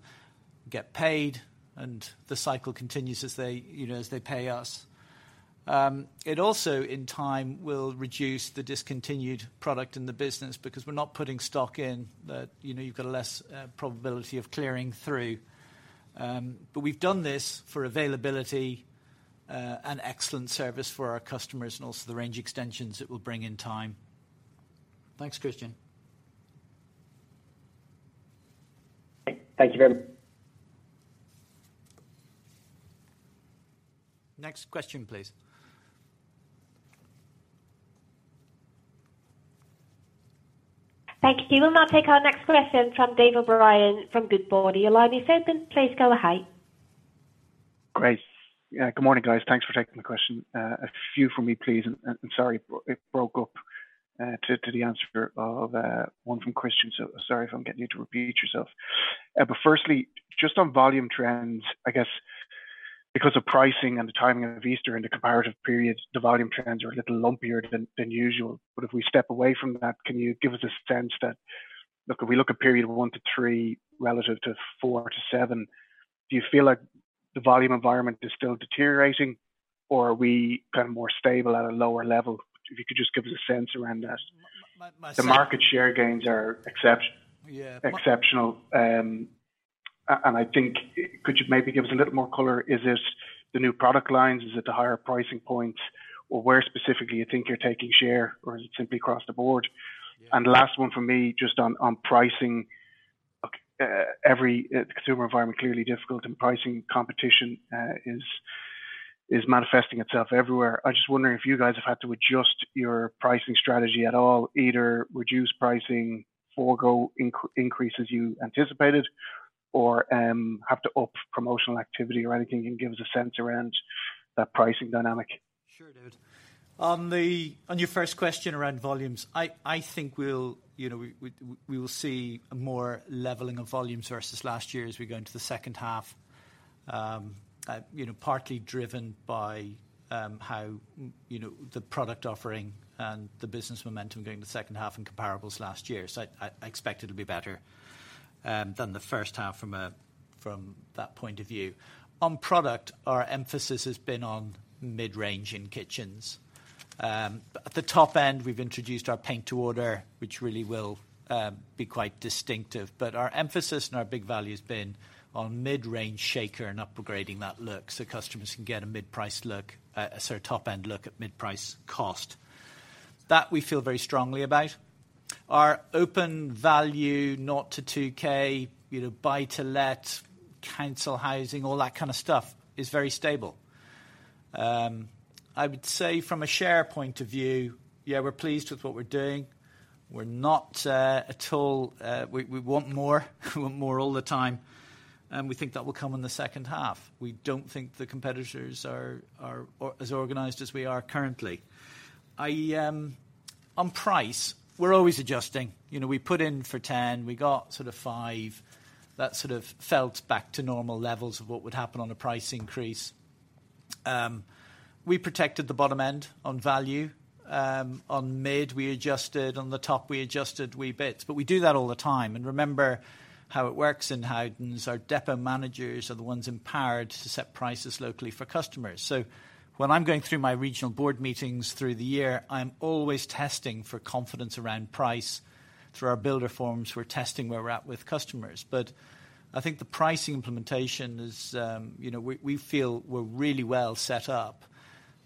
get paid, and the cycle continues as they, you know, as they pay us. It also, in time, will reduce the discontinued product in the business, because we're not putting stock in that, you know, you've got a less probability of clearing through. We've done this for availability, and excellent service for our customers, and also the range extensions it will bring in time. Thanks, Christen. Thank you very much. Next question, please. Thank you. We'll now take our next question from David O'Brien, from Goodbody. Your line is open. Please go ahead. Great. Good morning, guys. Thanks for taking the question. A few for me, please, and sorry, it broke up to the answer of one from Christen, so sorry if I'm getting you to repeat yourself. Firstly, just on volume trends, I guess because of pricing and the timing of Easter and the comparative periods, the volume trends are a little lumpier than usual. If we step away from that, can you give us a sense that. Look, if we look at period 1 to 3, relative to 4 to 7, do you feel like the volume environment is still deteriorating, or are we kind of more stable at a lower level? If you could just give us a sense around that. My, my- The market share gains are. Yeah. Exceptional, and I think, could you maybe give us a little more color? Is this the new product lines? Is it the higher pricing points, or where specifically you think you're taking share, or is it simply across the board? Yeah. The last one for me, just on pricing. Every consumer environment clearly difficult, pricing competition is manifesting itself everywhere. I'm just wondering if you guys have had to adjust your pricing strategy at all, either reduce pricing, forgo increases you anticipated, or have to up promotional activity or anything, give us a sense around that pricing dynamic. Sure, David. On your first question around volumes, I think we'll, you know, we will see more leveling of volumes versus last year as we go into the second half, you know, partly driven by, you know, the product offering and the business momentum going into the second half in comparables last year. I expect it to be better than the first half from a, from that point of view. On product, our emphasis has been on mid-range in kitchens. At the top end, we've introduced our paint-to-order, which really will be quite distinctive. Our emphasis and our big value has been on mid-range Shaker and upgrading that look, so customers can get a mid-priced look, so a top-end look at mid-price cost. That we feel very strongly about. Our open value, 0-2K, you know, buy to let, council housing, all that kind of stuff, is very stable. I would say from a share point of view, yeah, we're pleased with what we're doing. We're not at all, we want more, we want more all the time, and we think that will come in the second half. We don't think the competitors are as organized as we are currently. On price, we're always adjusting. You know, we put in for 10, we got sort of 5. That sort of felt back to normal levels of what would happen on a price increase. We protected the bottom end on value. On mid, we adjusted. On the top, we adjusted wee bits. We do that all the time, and remember how it works in Howdens, our depot managers are the ones empowered to set prices locally for customers. When I'm going through my regional board meetings through the year, I'm always testing for confidence around price. Through our builder forums, we're testing where we're at with customers. I think the pricing implementation is, you know, we feel we're really well set up.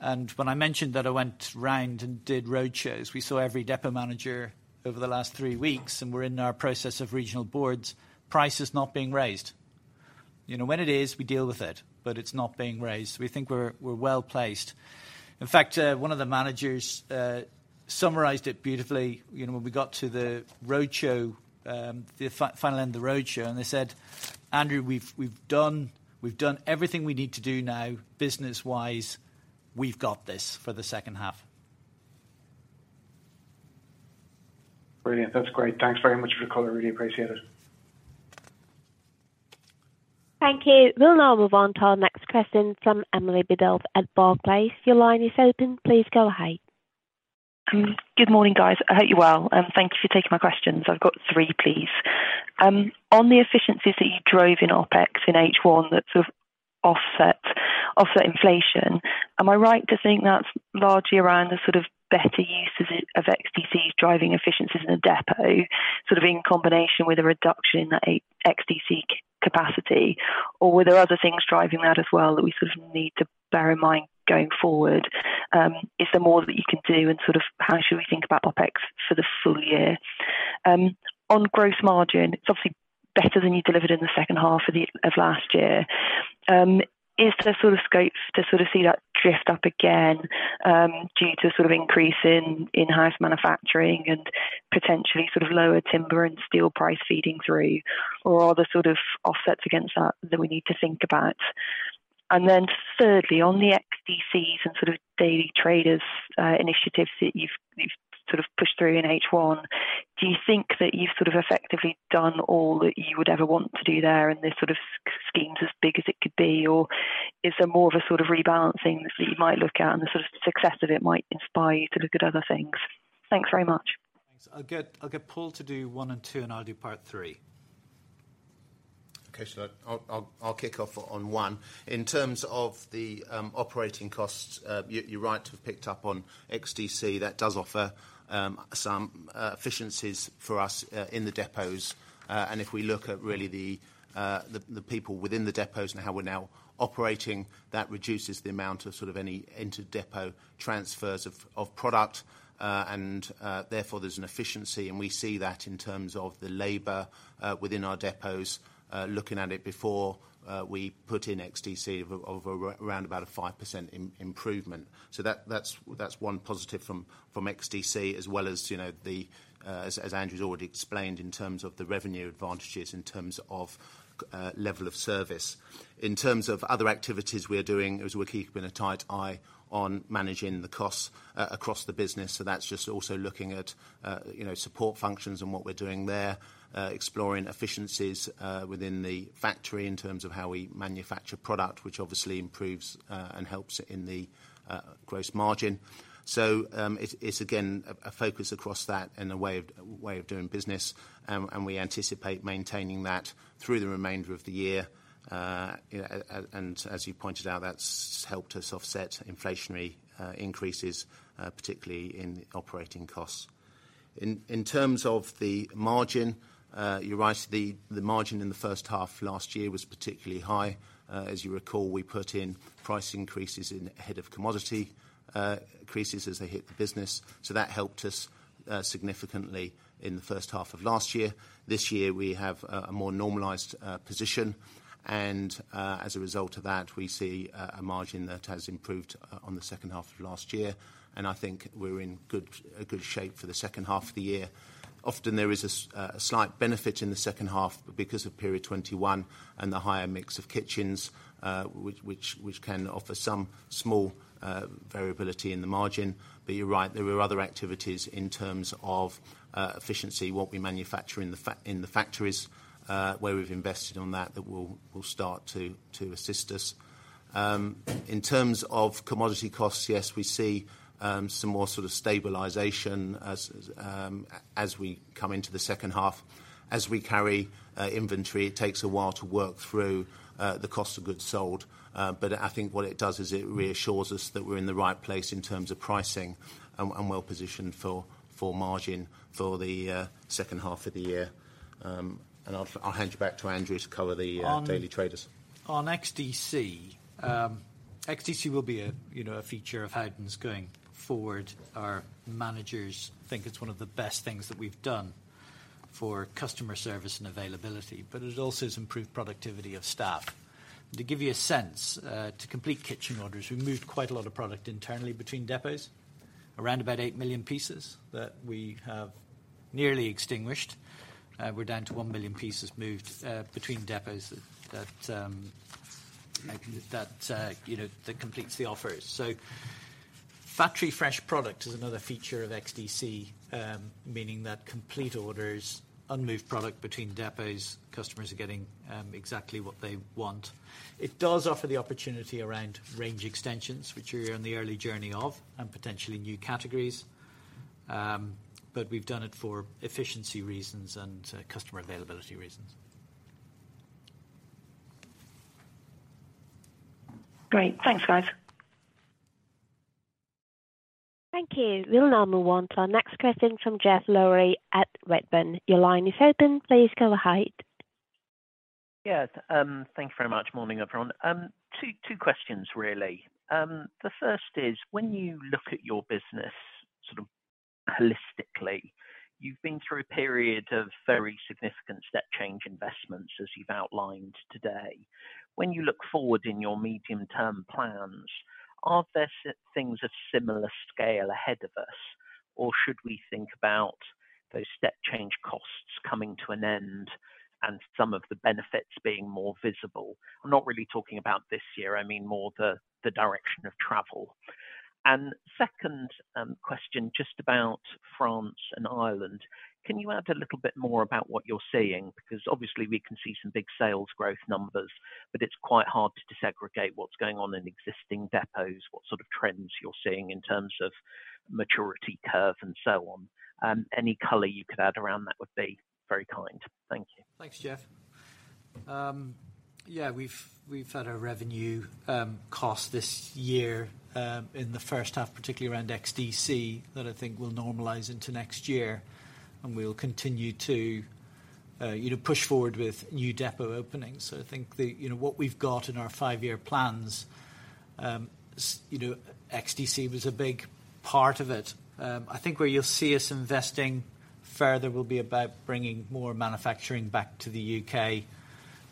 When I mentioned that I went round and did roadshows, we saw every depot manager over the last three weeks, and we're in our process of regional boards, prices not being raised. You know, when it is, we deal with it, but it's not being raised. We think we're well-placed. In fact, one of the managers summarized it beautifully, you know, when we got to the roadshow, the final end of the roadshow. They said, "Andrew, we've done everything we need to do now, business-wise, we've got this for the second half. Brilliant. That's great. Thanks very much for the call. I really appreciate it. Thank you. We'll now move on to our next question from Emily Biddulph at Barclays. Your line is open. Please go ahead. Good morning, guys. I hope you're well, and thank you for taking my questions. I've got 3, please. On the efficiencies that you drove in OpEx in H1 that sort of offset inflation, am I right to think that's largely around the sort of better use of it, of XDC driving efficiencies in a depot, sort of in combination with a reduction in the XDC capacity? Or were there other things driving that as well, that we sort of need to bear in mind going forward? Is there more that you can do, and sort of how should we think about OpEx for the full year? On gross margin, it's obviously better than you delivered in the second half of last year. Is there scopes to see that drift up again, due to increase in-house manufacturing and potentially lower timber and steel price feeding through, or are there offsets against that we need to think about? Thirdly, on the XDCs and Daily Traders initiatives that you've pushed through in H1, do you think that you've effectively done all that you would ever want to do there, and this scheme's as big as it could be, or is there more of a rebalancing that you might look at, and the success of it might inspire you to look at other things? Thanks very much. Thanks. I'll get Paul to do one and two, and I'll do part three. Okay, I'll kick off on one. In terms of the operating costs, you're right to have picked up on XDC. That does offer some efficiencies for us in the depots. If we look at really the people within the depots and how we're now operating, that reduces the amount of sort of any inter-depot transfers of product. Therefore, there's an efficiency, and we see that in terms of the labor within our depots. Looking at it before, we put in XDC of a round about a 5% improvement. That's one positive from XDC, as well as, you know, the as Andrew has already explained, in terms of the revenue advantages, in terms of level of service. In terms of other activities we are doing, is we're keeping a tight eye on managing the costs across the business, so that's just also looking at, you know, support functions and what we're doing there. Exploring efficiencies within the factory in terms of how we manufacture product, which obviously improves and helps in the gross margin. it's again, a focus across that and a way of doing business. We anticipate maintaining that through the remainder of the year. As you pointed out, that's helped us offset inflationary increases, particularly in the operating costs. In terms of the margin, you're right, the margin in the first half last year was particularly high. As you recall, we put in price increases in ahead of commodity increases as they hit the business. That helped us significantly in the first half of last year. This year, we have a more normalized position, and as a result of that, we see a margin that has improved on the second half of last year, and I think we're in a good shape for the second half of the year. Often, there is a slight benefit in the second half because of period 21 and the higher mix of kitchens, which can offer some small variability in the margin. You're right, there were other activities in terms of efficiency, what we manufacture in the factories, where we've invested on that will start to assist us. In terms of commodity costs, yes, we see some more sort of stabilization as we come into the second half. As we carry inventory, it takes a while to work through the cost of goods sold. I think what it does is it reassures us that we're in the right place in terms of pricing and well-positioned for margin for the second half of the year. And I'll hand you back to Andrew to cover the Daily Traders. On XDC will be a, you know, a feature of Howdens going forward. Our managers think it's one of the best things that we've done for customer service and availability, but it also has improved productivity of staff. To give you a sense, to complete kitchen orders, we moved quite a lot of product internally between depots, around about 8 million pieces that we have nearly extinguished. We're down to 1 million pieces moved between depots that, you know, that completes the offers. Factory-fresh product is another feature of XDC, meaning that complete orders, unmoved product between depots, customers are getting exactly what they want. It does offer the opportunity around range extensions, which we're on the early journey of, and potentially new categories. We've done it for efficiency reasons and customer availability reasons. Great. Thanks, guys. Thank you. We'll now move on to our next question from Geoff Lowery at Redburn. Your line is open. Please go ahead. Yes, thank you very much. Morning, everyone. two questions, really. The first is, when you look at your business. holistically, you've been through a period of very significant step change investments, as you've outlined today. When you look forward in your medium-term plans, are there things of similar scale ahead of us, or should we think about those step change costs coming to an end and some of the benefits being more visible? I'm not really talking about this year, I mean more the direction of travel. Second, question, just about France and Ireland. Can you add a little bit more about what you're seeing? Because obviously we can see some big sales growth numbers, but it's quite hard to disaggregate what's going on in existing depots, what sort of trends you're seeing in terms of maturity curve and so on. Any color you could add around that would be very kind. Thank you. Thanks, Geoff. We've had our revenue cost this year in the first half, particularly around XDC, that I think will normalize into next year, and we'll continue to, you know, push forward with new depot openings. I think the, you know, what we've got in our 5-year plans, you know, XDC was a big part of it. I think where you'll see us investing further will be about bringing more manufacturing back to the U.K.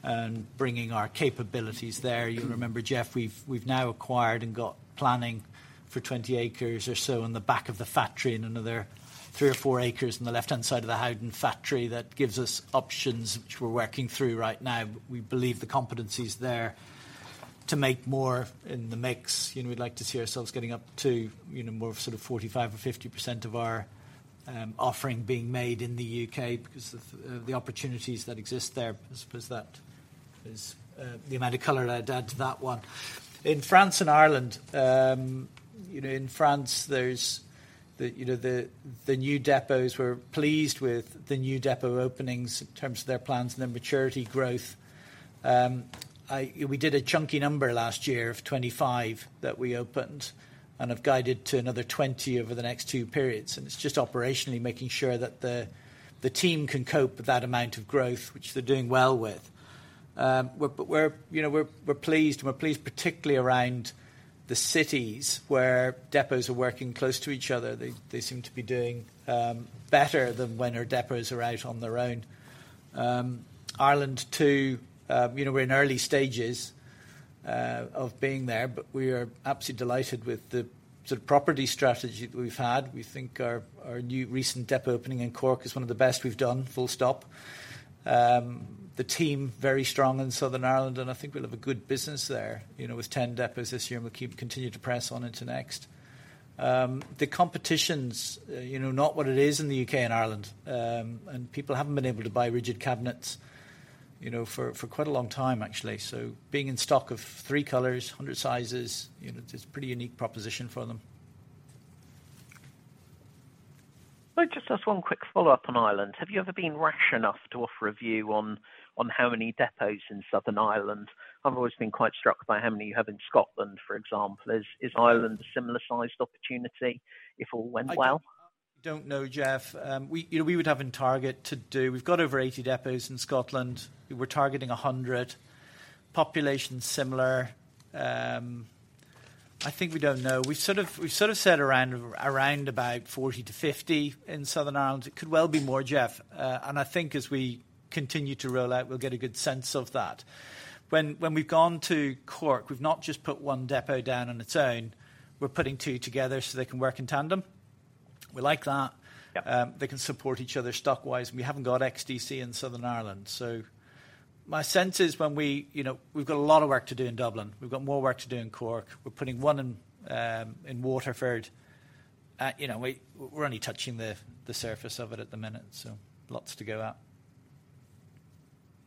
and bringing our capabilities there. You remember, Geoff, we've now acquired and got planning for 20 acres or so on the back of the factory and another 3 or 4 acres on the left-hand side of the Howden factory. That gives us options, which we're working through right now. We believe the competency is there to make more in the mix. You know, we'd like to see ourselves getting up to, you know, more of sort of 45% or 50% of our offering being made in the UK because of the opportunities that exist there. I suppose that is the amount of color I'd add to that one. In France and Ireland, you know, in France, there's the, you know, the new depots we're pleased with the new depot openings in terms of their plans and their maturity growth. We did a chunky number last year of 25 that we opened and have guided to another 20 over the next two periods, and it's just operationally making sure that the team can cope with that amount of growth, which they're doing well with. You know, we're pleased particularly around the cities where depots are working close to each other. They seem to be doing better than when our depots are out on their own. Ireland, too, you know, we're in early stages of being there, we are absolutely delighted with the sort of property strategy that we've had. We think our new recent depot opening in Cork is one of the best we've done, full stop. The team, very strong in Southern Ireland, I think we'll have a good business there, you know, with 10 depots this year, we'll keep continuing to press on into next. The competition's, you know, not what it is in the UK and Ireland, and people haven't been able to buy rigid cabinets, you know, for quite a long time, actually. Being in stock of 3 colors, 100 sizes, you know, it's a pretty unique proposition for them. Well, just as one quick follow-up on Ireland. Have you ever been rash enough to offer a view on how many depots in Southern Ireland? I've always been quite struck by how many you have in Scotland, for example. Is Ireland a similar-sized opportunity, if all went well? I don't know, Geoff. We, you know, we would have in target to do... We've got over 80 depots in Scotland. We're targeting 100. Population's similar. I think we don't know. We said around about 40-50 in Southern Ireland. It could well be more, Geoff. I think as we continue to roll out, we'll get a good sense of that. When we've gone to Cork, we've not just put one depot down on its own, we're putting two together so they can work in tandem. We like that. Yeah. They can support each other stock-wise. We haven't got XDC in Southern Ireland. My sense is when we, you know, we've got a lot of work to do in Dublin. We've got more work to do in Cork. We're putting one in in Waterford. You know, we're only touching the surface of it at the minute, so lots to go out.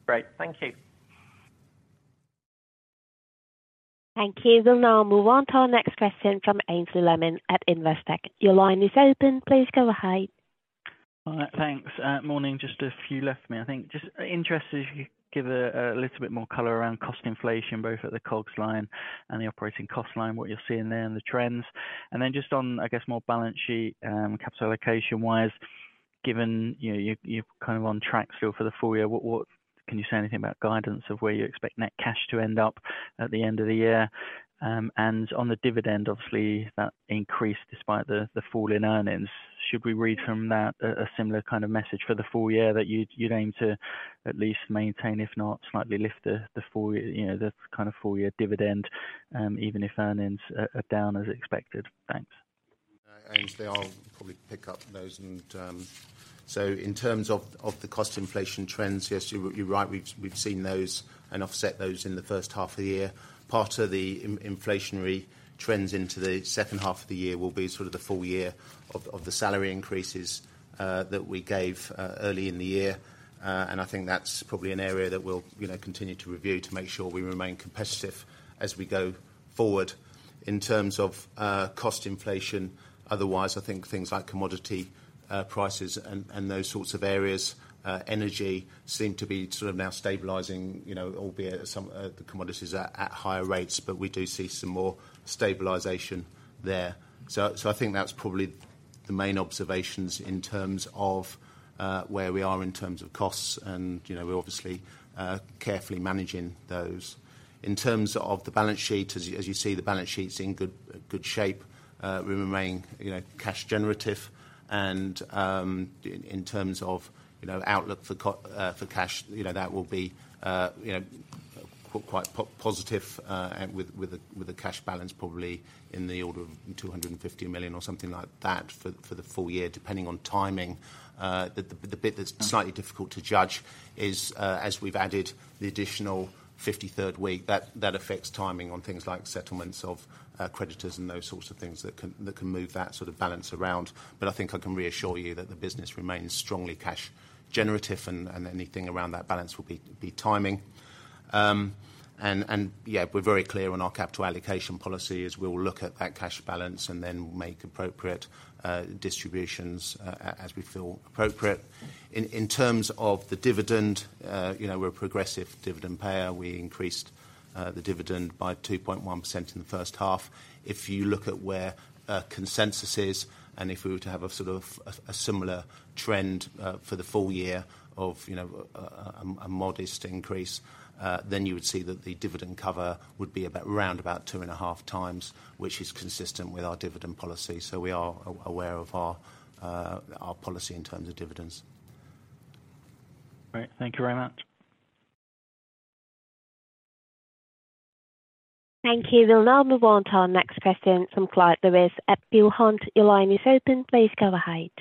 Great. Thank you. Thank you. We'll now move on to our next question from Aynsley Lammin at Investec. Your line is open. Please go ahead. Thanks. Morning, just a few left me. I think just interested if you could give a little bit more color around cost inflation, both at the COGS line and the operating cost line, what you're seeing there and the trends. Then just on, I guess, more balance sheet, capital allocation-wise, given, you know, you're kind of on track still for the full year. Can you say anything about guidance of where you expect net cash to end up at the end of the year? On the dividend, obviously, that increased despite the fall in earnings. Should we read from that a similar kind of message for the full year, that you'd aim to at least maintain, if not slightly lift the full year, you know, the kind of full-year dividend, even if earnings are down as expected? Thanks. Aynsley, I'll probably pick up those. In terms of the cost inflation trends, yes, you're right, we've seen those and offset those in the first half of the year. Part of the inflationary trends into the second half of the year will be sort of the full year of the salary increases that we gave early in the year. I think that's probably an area that we'll, you know, continue to review to make sure we remain competitive as we go forward. In terms of cost inflation, otherwise, I think things like commodity prices and those sorts of areas, energy seem to be sort of now stabilizing, you know, albeit some the commodities are at higher rates, but we do see some more stabilization there. I think that's probably.... the main observations in terms of where we are in terms of costs and, you know, we're obviously carefully managing those. In terms of the balance sheet, as you, as you see, the balance sheet's in good shape. We remain, you know, cash generative. In terms of, you know, outlook for cash, you know, that will be, you know, quite positive, and with a cash balance probably in the order of 250 million or something like that for the full year, depending on timing. The bit that's slightly difficult to judge is as we've added the additional 53rd week, that affects timing on things like settlements of creditors and those sorts of things that can move that sort of balance around. I think I can reassure you that the business remains strongly cash generative and anything around that balance will be timing. And, yeah, we're very clear on our capital allocation policy, as we'll look at that cash balance and then make appropriate distributions as we feel appropriate. In terms of the dividend, you know, we're a progressive dividend payer. We increased the dividend by 2.1% in the first half. If you look at where consensus is, if we were to have a similar trend for the full year of, you know, a modest increase, then you would see that the dividend cover would be round about 2.5 times, which is consistent with our dividend policy. We are aware of our policy in terms of dividends. Great. Thank you very much. Thank you. We'll now move on to our next question from Clyde Lewis at Peel Hunt. Your line is open. Please go ahead.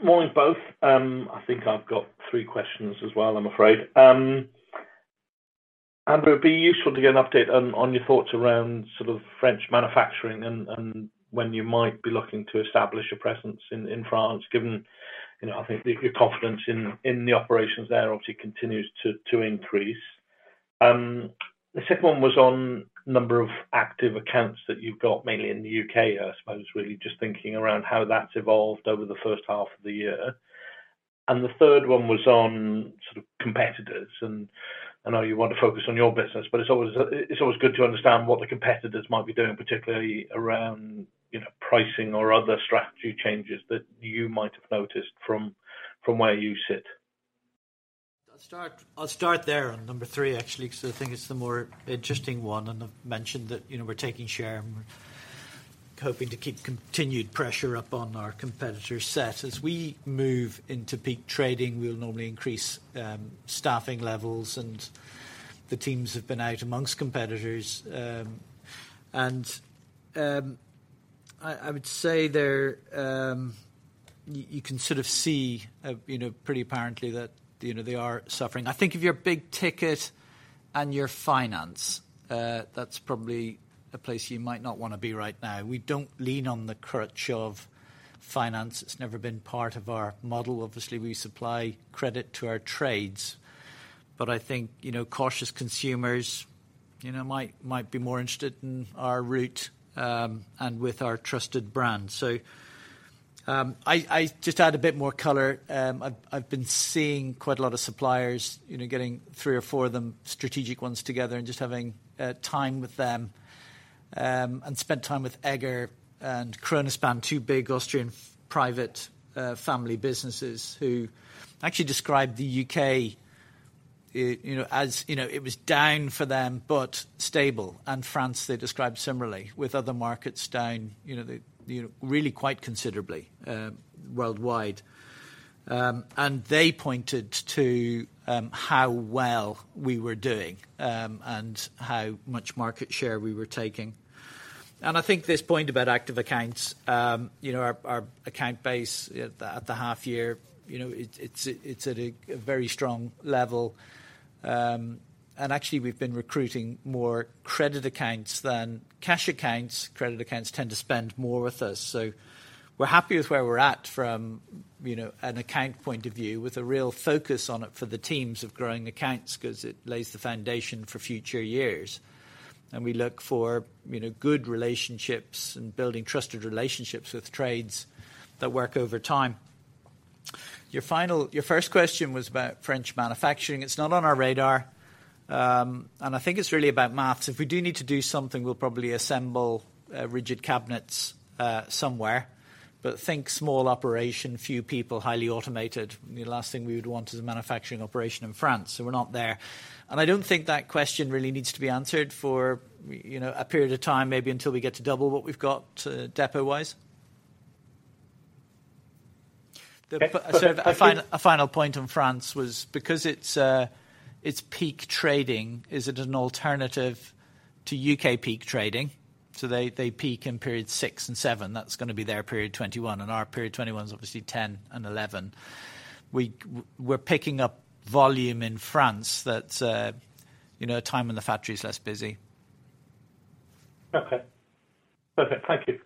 Morning, both. I think I've got 3 questions as well, I'm afraid. Andrew, it'd be useful to get an update on your thoughts around sort of French manufacturing and when you might be looking to establish a presence in France, given, you know, I think your confidence in the operations there obviously continues to increase. The second one was on number of active accounts that you've got, mainly in the UK, I suppose, really just thinking around how that's evolved over the first half of the year. The third one was on sort of competitors, and I know you want to focus on your business, but it's always good to understand what the competitors might be doing, particularly around, you know, pricing or other strategy changes that you might have noticed from where you sit. I'll start there on number 3, actually, because I think it's the more interesting one, and I've mentioned that, you know, we're taking share and we're hoping to keep continued pressure up on our competitor set. As we move into peak trading, we'll normally increase staffing levels, and the teams have been out amongst competitors. I would say there, you can sort of see, you know, pretty apparently that, you know, they are suffering. I think if you're big ticket and you're finance, that's probably a place you might not want to be right now. We don't lean on the crutch of finance. It's never been part of our model. Obviously, we supply credit to our trades, but I think, you know, cautious consumers, you know, might be more interested in our route and with our trusted brand. I just add a bit more color. I've been seeing quite a lot of suppliers, you know, getting 3 or 4 of them, strategic ones, together and just having time with them. Spent time with Egger and Kronospan, two big Austrian private family businesses, who actually described the UK, you know, as, you know, it was down for them, but stable. France, they described similarly, with other markets down, you know, really quite considerably worldwide. They pointed to how well we were doing and how much market share we were taking. I think this point about active accounts, you know, our account base at the half year, you know, it's at a very strong level. Actually, we've been recruiting more credit accounts than cash accounts. Credit accounts tend to spend more with us, so we're happy with where we're at from, you know, an account point of view, with a real focus on it for the teams of growing accounts, 'cause it lays the foundation for future years. We look for, you know, good relationships and building trusted relationships with trades that work over time. Your first question was about French manufacturing. It's not on our radar, and I think it's really about math. If we do need to do something, we'll probably assemble rigid cabinets somewhere, but think small operation, few people, highly automated. The last thing we would want is a manufacturing operation in France, so we're not there. I don't think that question really needs to be answered for, you know, a period of time, maybe until we get to double what we've got, depot-wise. Okay. A final point on France was because it's peak trading, is it an alternative to U.K. peak trading? They peak in period 6 and 7. That's gonna be their period 21, and our period 21's obviously 10 and 11. We're picking up volume in France that, you know, a time when the factory is less busy. Okay. Perfect. Thank you.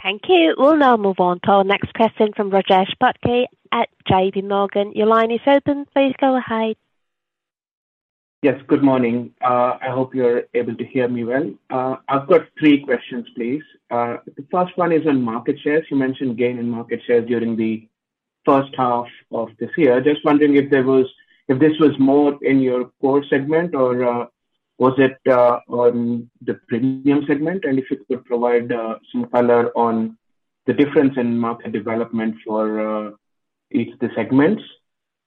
Thank you. We'll now move on to our next question from Rajesh Patki at J.P. Morgan. Your line is open. Please go ahead. Yes, good morning. I hope you're able to hear me well. I've got three questions, please. The first one is on market share. You mentioned gain in market share during the first half of this year. Just wondering if this was more in your core segment or was it on the premium segment? If you could provide some color on the difference in market development for each of the segments.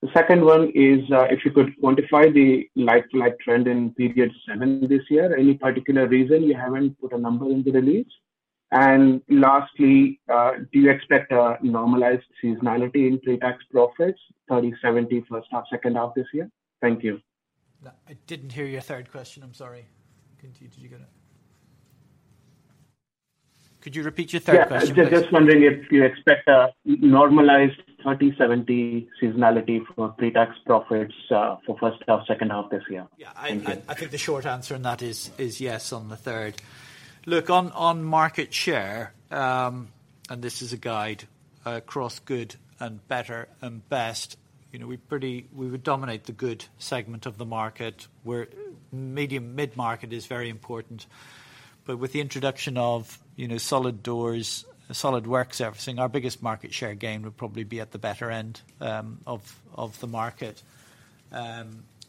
The second one is if you could quantify the like-to-like trend in period 7 this year. Any particular reason you haven't put a number in the release? Lastly, do you expect a normalized seasonality in pre-tax profits, 30/70, first half, second half this year? Thank you. I didn't hear your third question. I'm sorry. Did you get it? Could you repeat your third question, please? Yeah. Just wondering if you expect a normalized 30/70 seasonality for pre-tax profits, for first half, second half this year? Yeah. Thank you. I think the short answer on that is yes, on the third. On market share, and this is a guide across good and better and best, you know, we would dominate the good segment of the market, where medium mid-market is very important. With the introduction of, you know, solid doors, solid work surfaces, our biggest market share gain would probably be at the better end of the market.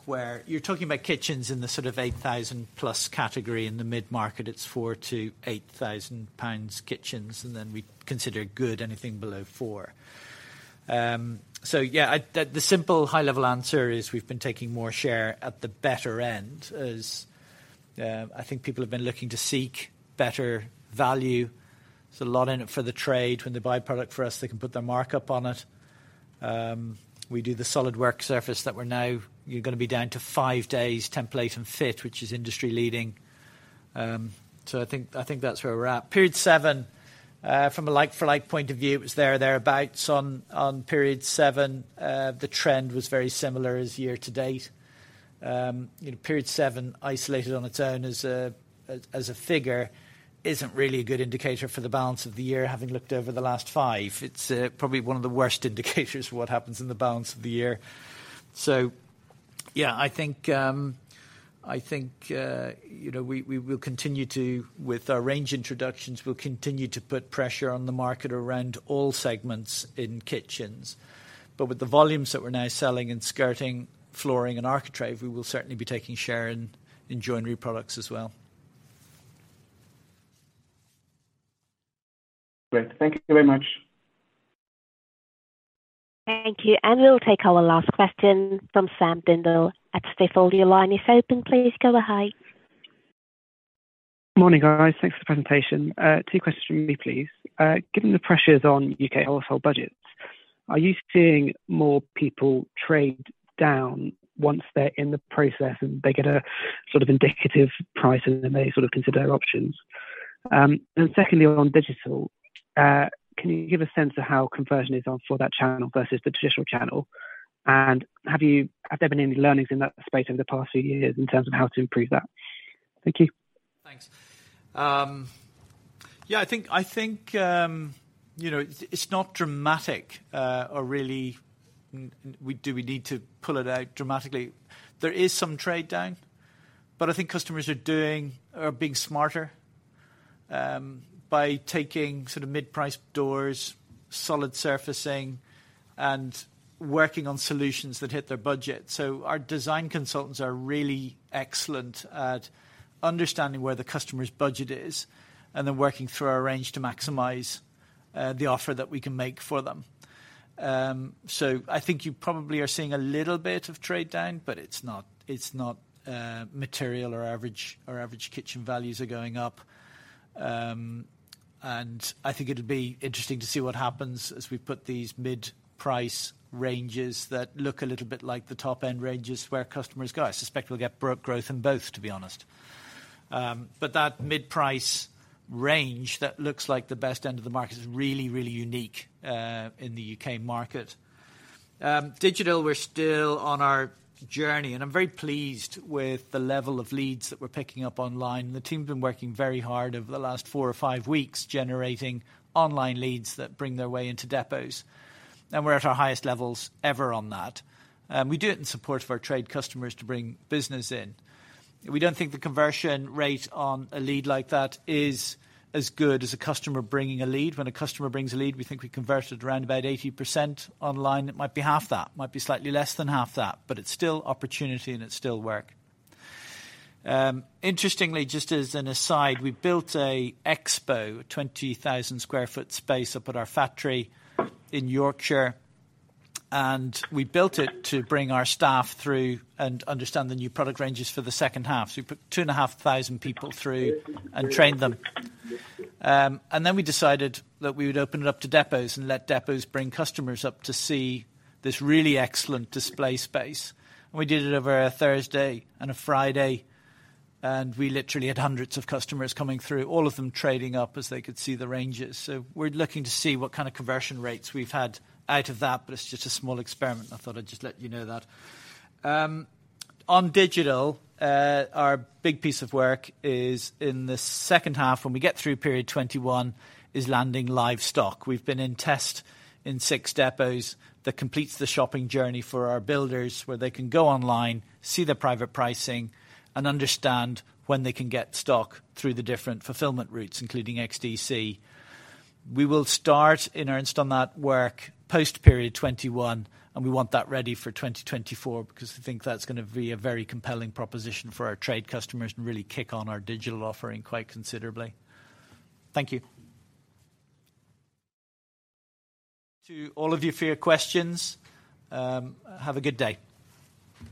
Where you're talking about kitchens in the sort of 8,000+ category. In the mid-market, it's 4,000-8,000 pounds kitchens, and then we'd consider good anything below 4,000. Yeah, the simple high-level answer is we've been taking more share at the better end, as I think people have been looking to seek better value. There's a lot in it for the trade. When they buy product for us, they can put their markup on it. We do the solid work surface that you're going to be down to five days template and fit, which is industry leading. I think that's where we're at. Period seven, from a like-for-like point of view, it was there or thereabouts. On period seven, the trend was very similar as year-to-date. You know, period seven, isolated on its own as a figure, isn't really a good indicator for the balance of the year, having looked over the last five. It's probably one of the worst indicators of what happens in the balance of the year. Yeah, I think, you know, we will continue to... With our range introductions, we'll continue to put pressure on the market around all segments in kitchens. With the volumes that we're now selling in skirting, flooring, and architrave, we will certainly be taking share in joinery products as well. Great. Thank you very much. Thank you. We'll take our last question from Sam Dindol at Stifel. Your line is open, please go ahead. Morning, guys. Thanks for the presentation. Two questions from me, please. Given the pressures on UK household budgets, are you seeing more people trade down once they're in the process, and they get a sort of indicative price, and then they sort of consider their options? Secondly, on digital, can you give a sense of how conversion is on for that channel versus the traditional channel? Have there been any learnings in that space over the past few years in terms of how to improve that? Thank you. Thanks. Yeah, I think, I think, you know, it's not dramatic, or really, do we need to pull it out dramatically? There is some trade down, but I think customers are doing or are being smarter, by taking sort of mid-priced doors, solid surfacing, and working on solutions that hit their budget. Our design consultants are really excellent at understanding where the customer's budget is, and then working through our range to maximize the offer that we can make for them. I think you probably are seeing a little bit of trade down, but it's not, it's not material or average. Our average kitchen values are going up. I think it'll be interesting to see what happens as we put these mid-price ranges that look a little bit like the top-end ranges, where customers go. I suspect we'll get growth in both, to be honest. That mid-price range, that looks like the best end of the market is really, really unique, in the U.K. market. Digital, we're still on our journey, and I'm very pleased with the level of leads that we're picking up online. The team's been working very hard over the last four or five weeks, generating online leads that bring their way into depots, and we're at our highest levels ever on that. We do it in support of our trade customers to bring business in. We don't think the conversion rate on a lead like that is as good as a customer bringing a lead. When a customer brings a lead, we think we convert it around about 80%. Online, it might be half that, might be slightly less than half that. It's still opportunity and it's still work. Interestingly, just as an aside, we built a expo, a 20,000 sq ft space up at our factory in Yorkshire. We built it to bring our staff through and understand the new product ranges for the second half. We put 2,500 people through and trained them. We decided that we would open it up to depots and let depots bring customers up to see this really excellent display space. We did it over a Thursday and a Friday. We literally had hundreds of customers coming through, all of them trading up as they could see the ranges. We're looking to see what kind of conversion rates we've had out of that, but it's just a small experiment. I thought I'd just let you know that. On digital, our big piece of work is in the second half, when we get through period 21, is landing live stock. We've been in test in 6 depots. That completes the shopping journey for our builders, where they can go online, see the private pricing, and understand when they can get stock through the different fulfillment routes, including XDC. We will start in earnest on that work post period 21, and we want that ready for 2024, because I think that's gonna be a very compelling proposition for our trade customers and really kick on our digital offering quite considerably. Thank you. To all of you for your questions. Have a good day.